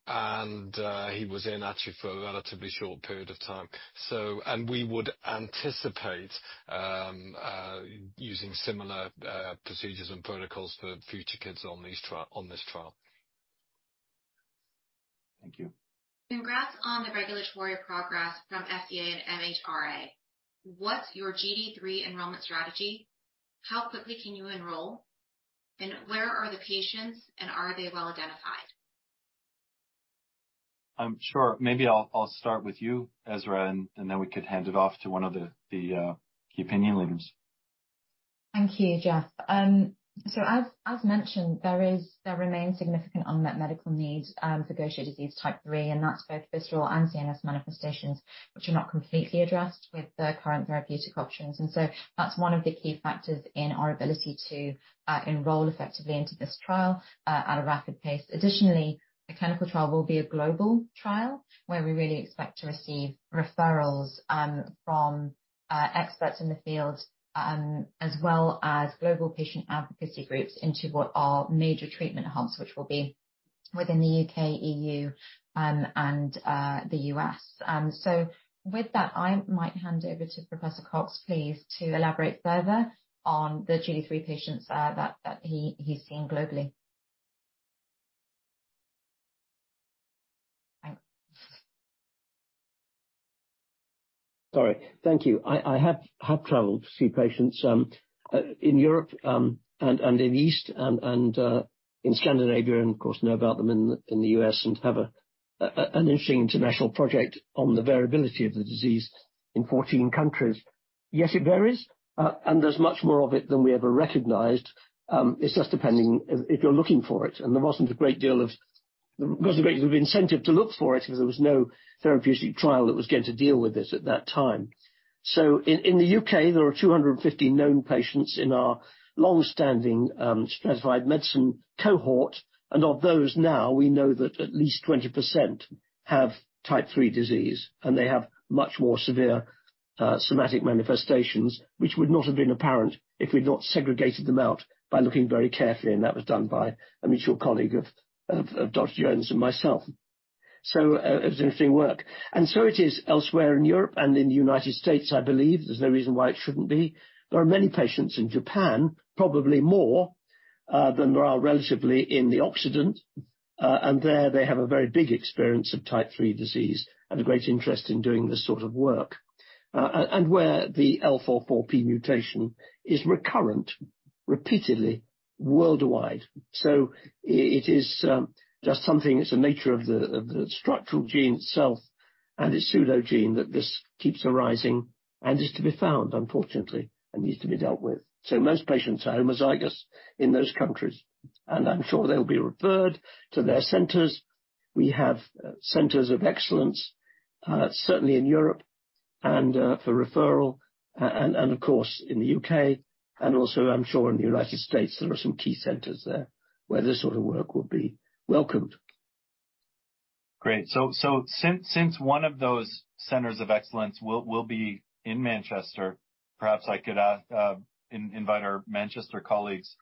And he was in actually for a relatively short period of time. And we would anticipate using similar procedures and protocols for future kids on these on this trial. Thank you. Congrats on the regulatory progress from FDA and MHRA. What's your GD3 enrollment strategy? How quickly can you enroll? Where are the patients, and are they well-identified? Sure. Maybe I'll start with you, Essra, and then we could hand it off to one of the opinion leaders. Thank you, Geoff. As mentioned, there remains significant unmet medical needs for Gaucher disease type 3, and that's both visceral and CNS manifestations, which are not completely addressed with the current therapeutic options. That's one of the key factors in our ability to enroll effectively into this trial at a rapid pace. Additionally, the clinical trial will be a global trial where we really expect to receive referrals from experts in the field as well as global patient advocacy groups into what are major treatment hubs, which will be within the UK, EU, and the US. With that, I might hand over to Professor Cox, please, to elaborate further on the GD3 patients that he's seen globally. Sorry. Thank you. I have traveled to see patients in Europe, and in the East and in Scandinavia, and of course, know about them in the US and have an interesting international project on the variability of the disease in 14 countries. Yes, it varies, and there's much more of it than we ever recognized. It's just depending if you're looking for it, and there wasn't a great deal of incentive to look for it because there was no therapeutic trial that was going to deal with this at that time. In the UK, there are 250 known patients in our long-standing, stratified medicine cohort. Of those now, we know that at least 20% have type 3 disease, they have much more severe somatic manifestations, which would not have been apparent if we'd not segregated them out by looking very carefully, that was done by a mutual colleague of Dr. Jones and myself. It was interesting work. It is elsewhere in Europe and in the United States, I believe. There's no reason why it shouldn't be. There are many patients in Japan, probably more than there are relatively in the Occident. there they have a very big experience of type 3 disease and a great interest in doing this sort of work, and where the L444P mutation is recurrent repeatedly worldwide. It is just something that's the nature of the structural gene itself and its pseudogene that this keeps arising and is to be found, unfortunately, and needs to be dealt with. Most patients are homozygous in those countries, and I'm sure they'll be referred to their centers. We have centers of excellence, certainly in Europe. For referral and of course, in the U.K. and also I'm sure in the United States, there are some key centers there where this sort of work would be welcomed. Great. Since one of those centers of excellence will be in Manchester, perhaps I could ask invite our Manchester colleagues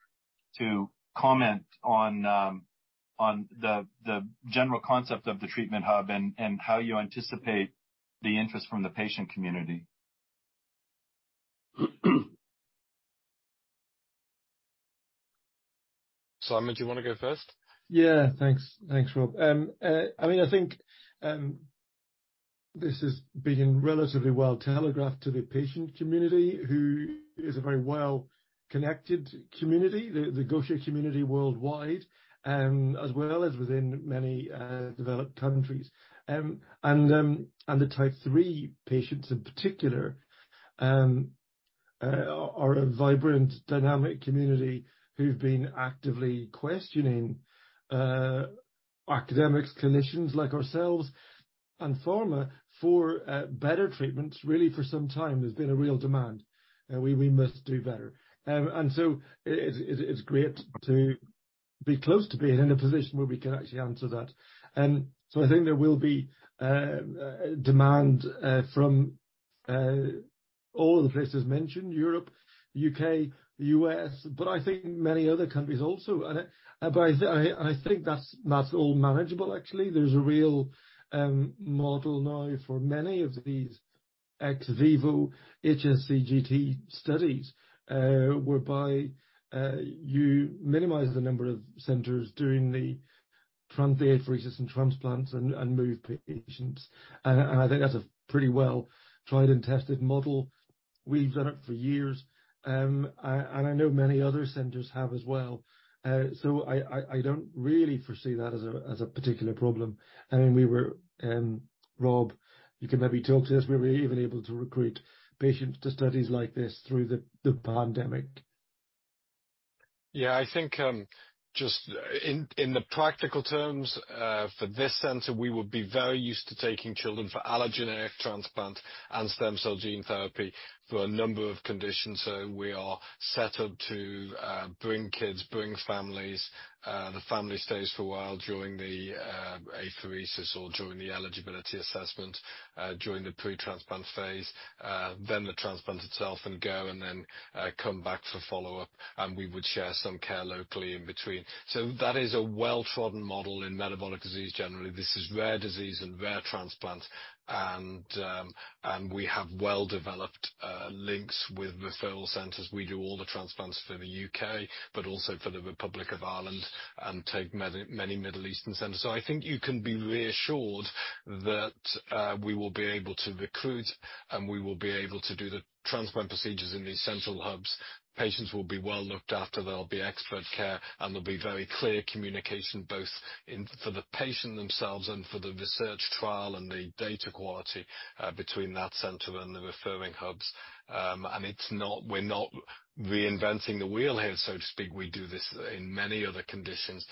to comment on the general concept of the treatment hub and how you anticipate the interest from the patient community? Simon, do you wanna go first? Yeah. Thanks. Thanks, Rob. I mean, I think this has been relatively well telegraphed to the patient community, who is a very well-connected community, the Gaucher community worldwide, as well as within many developed countries. The Type 3 patients in particular, are a vibrant dynamic community who've been actively questioning academics, clinicians like ourselves and pharma for better treatments. Really for some time, there's been a real demand, and we must do better. It's great to be close to being in a position where we can actually answer that. I think there will be demand from all the places mentioned, Europe, UK, the US, but I think many other countries also. I think that's all manageable actually. There's a real model now for many of these ex vivo HSCGT studies, whereby you minimize the number of centers doing the transplant apheresis and transplants and move patients. I think that's a pretty well tried and tested model. We've done it for years. I know many other centers have as well. I don't really foresee that as a particular problem. I mean, we were... Rob, you can maybe talk to this. We were even able to recruit patients to studies like this through the pandemic. Yeah. I think, just in the practical terms, for this center, we would be very used to taking children for allogeneic transplant and stem cell gene therapy for a number of conditions. We are set up to bring kids, bring families. The family stays for a while during the apheresis or during the eligibility assessment, during the pre-transplant phase, then the transplant itself and go, and then, come back for follow-up, and we would share some care locally in between. That is a well-trodden model in metabolic disease, generally. This is rare disease and rare transplant, and we have well-developed links with referral centers. We do all the transplants for the UK, but also for the Republic of Ireland and take many Middle Eastern centers. I think you can be reassured that we will be able to recruit, and we will be able to do the transplant procedures in these central hubs. Patients will be well looked after. There'll be expert care, and there'll be very clear communication, both for the patient themselves and for the research trial and the data quality between that center and the referring hubs. It's not, we're not reinventing the wheel here, so to speak. We do this in many other conditions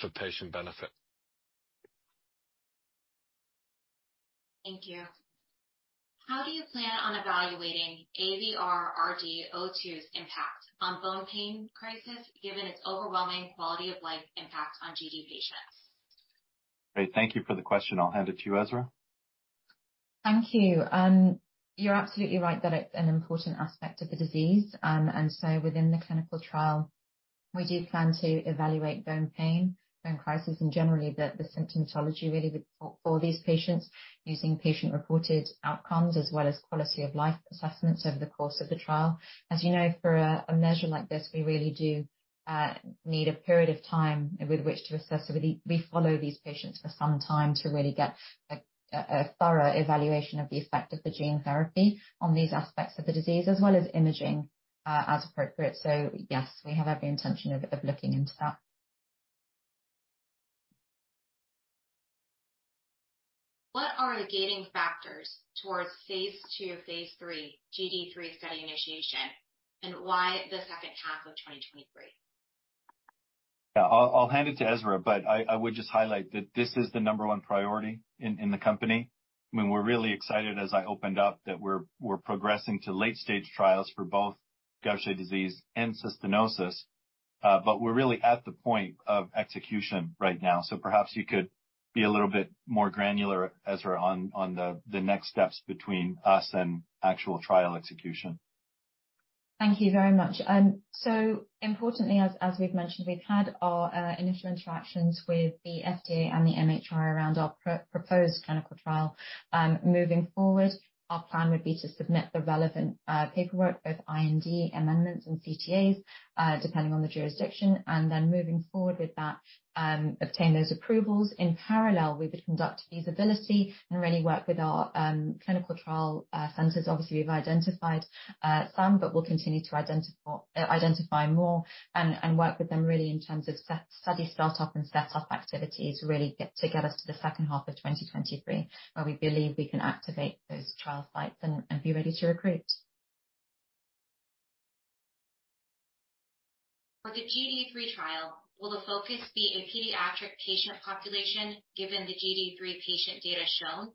for patient benefit. Thank you. How do you plan on evaluating AVR-RD-02's impact on bone pain crisis, given its overwhelming quality of life impact on GD patients? Great. Thank you for the question. I'll hand it to you, Essra. Thank you. You're absolutely right that it's an important aspect of the disease. Within the clinical trial, we do plan to evaluate bone pain and crisis, and generally the symptomatology really with these patients using patient-reported outcomes, as well as quality of life assessments over the course of the trial. You know, for a measure like this, we really do need a period of time with which to assess, so we follow these patients for some time to really get a thorough evaluation of the effect of the gene therapy on these aspects of the disease, as well as imaging as appropriate. Yes, we have every intention of looking into that. What are the gating factors towards phase II, phase III GD3 study initiation, and why the second half of 2023? Yeah. I'll hand it to Essra, but I would just highlight that this is the number one priority in the company. I mean, we're really excited, as I opened up, that we're progressing to late-stage trials for both Gaucher disease and cystinosis, but we're really at the point of execution right now. Perhaps you could be a little bit more granular, Essra, on the next steps between us and actual trial execution. Thank you very much. Importantly, as we've mentioned, we've had our initial interactions with the FDA and the MHRA around our proposed clinical trial. Moving forward, our plan would be to submit the relevant paperwork, both IND amendments and CTAs, depending on the jurisdiction, moving forward with that, obtain those approvals. In parallel, we would conduct feasibility and really work with our clinical trial centers. Obviously, we've identified some, but we'll continue to identify more and work with them really in terms of study startup and set up activities, to get us to the second half of 2023, where we believe we can activate those trial sites and be ready to recruit. With GD3 trial, will the focus be a pediatric patient population, given the GD3 patient data shown?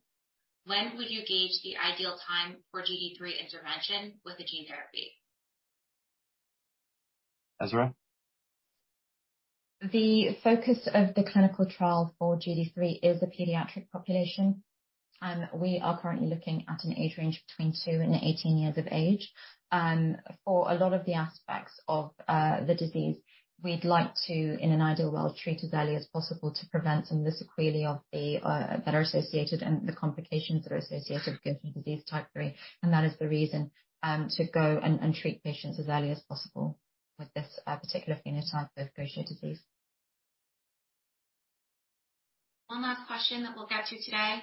When would you gauge the ideal time for GD3 intervention with the gene therapy? Essra? The focus of the clinical trial for GD3 is the pediatric population. We are currently looking at an age range between 2 and 18 years of age. For a lot of the aspects of the disease, we'd like to, in an ideal world, treat as early as possible to prevent some of the sequelae of the that are associated and the complications that are associated with Gaucher disease type 3. That is the reason to go and treat patients as early as possible with this particular phenotype of Gaucher disease. One last question that we'll get to today.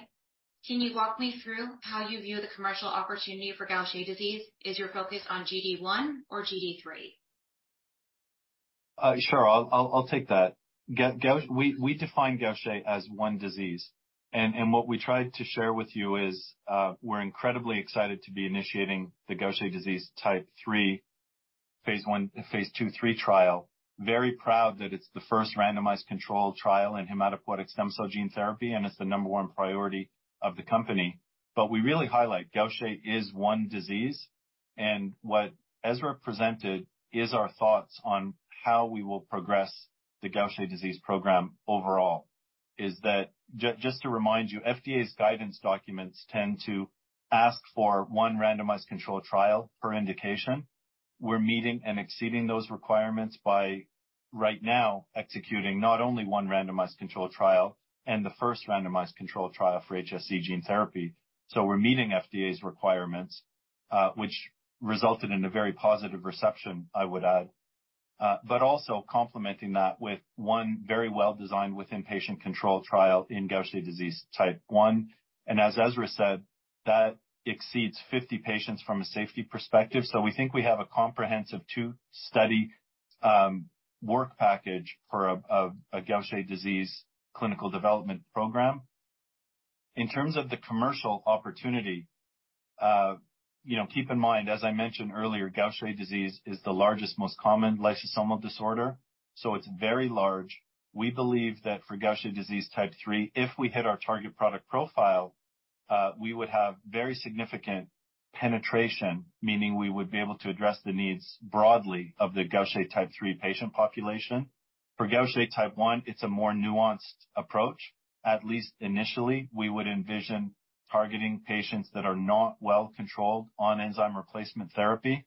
Can you walk me through how you view the commercial opportunity for Gaucher disease? Is your focus on GD1 or GD3? Sure. I'll take that. We define Gaucher as one disease. What we tried to share with you is, we're incredibly excited to be initiating the Gaucher disease type 3, phase II/III trial. Very proud that it's the first randomized controlled trial in hematopoietic stem cell gene therapy, and it's the number 1 priority of the company. We really highlight Gaucher is one disease. What Essra presented is our thoughts on how we will progress the Gaucher disease program overall. Is that, just to remind you, FDA's guidance documents tend to ask for one randomized controlled trial per indication. We're meeting and exceeding those requirements by right now executing not only one randomized controlled trial and the first randomized controlled trial for HSC gene therapy. We're meeting FDA's requirements, which resulted in a very positive reception, I would add. Also complementing that with 1 very well-designed within-patient controlled trial in Gaucher disease type 1. As Essra said, that exceeds 50 patients from a safety perspective. We think we have a comprehensive 2-study work package for a Gaucher disease clinical development program. In terms of the commercial opportunity, you know, keep in mind, as I mentioned earlier, Gaucher disease is the largest, most common lysosomal disorder, so it's very large. We believe that for Gaucher disease type 3, if we hit our target product profile, we would have very significant penetration, meaning we would be able to address the needs broadly of the Gaucher type 3 patient population. For Gaucher type 1, it's a more nuanced approach. At least initially, we would envision targeting patients that are not well controlled on enzyme replacement therapy.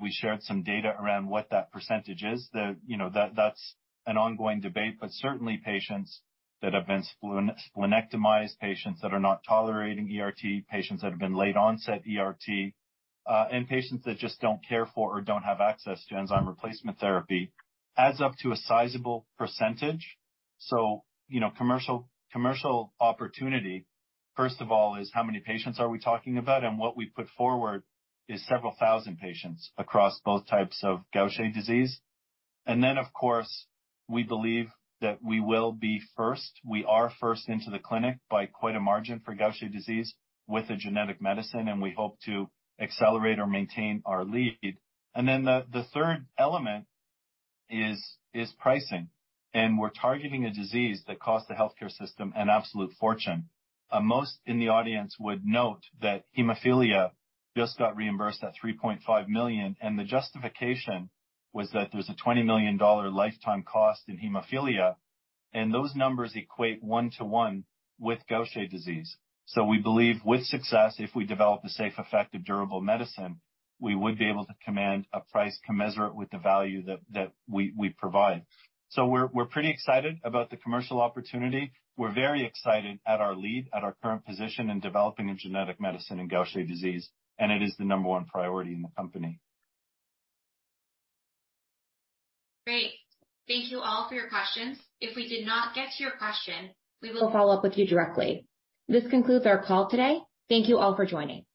We shared some data around what that percentage is. You know, that's an ongoing debate, but certainly patients that have been splenectomized, patients that are not tolerating ERT, patients that have been late-onset ERT, and patients that just don't care for or don't have access to enzyme replacement therapy adds up to a sizable percentage. You know, commercial opportunity, first of all, is how many patients are we talking about? What we put forward is several thousand patients across both types of Gaucher disease. Of course, we believe that we will be first. We are first into the clinic by quite a margin for Gaucher disease with a genetic medicine, and we hope to accelerate or maintain our lead. The third element is pricing. We're targeting a disease that costs the healthcare system an absolute fortune. Most in the audience would note that hemophilia just got reimbursed at $3.5 million, the justification was that there's a $20 million lifetime cost in hemophilia, those numbers equate 1 to 1 with Gaucher disease. We believe with success, if we develop a safe, effective, durable medicine, we would be able to command a price commensurate with the value that we provide. We're pretty excited about the commercial opportunity. We're very excited at our lead, at our current position in developing a genetic medicine in Gaucher disease, it is the number 1 priority in the company. Great. Thank you all for your questions. If we did not get to your question, we will follow up with you directly. This concludes our call today. Thank you all for joining.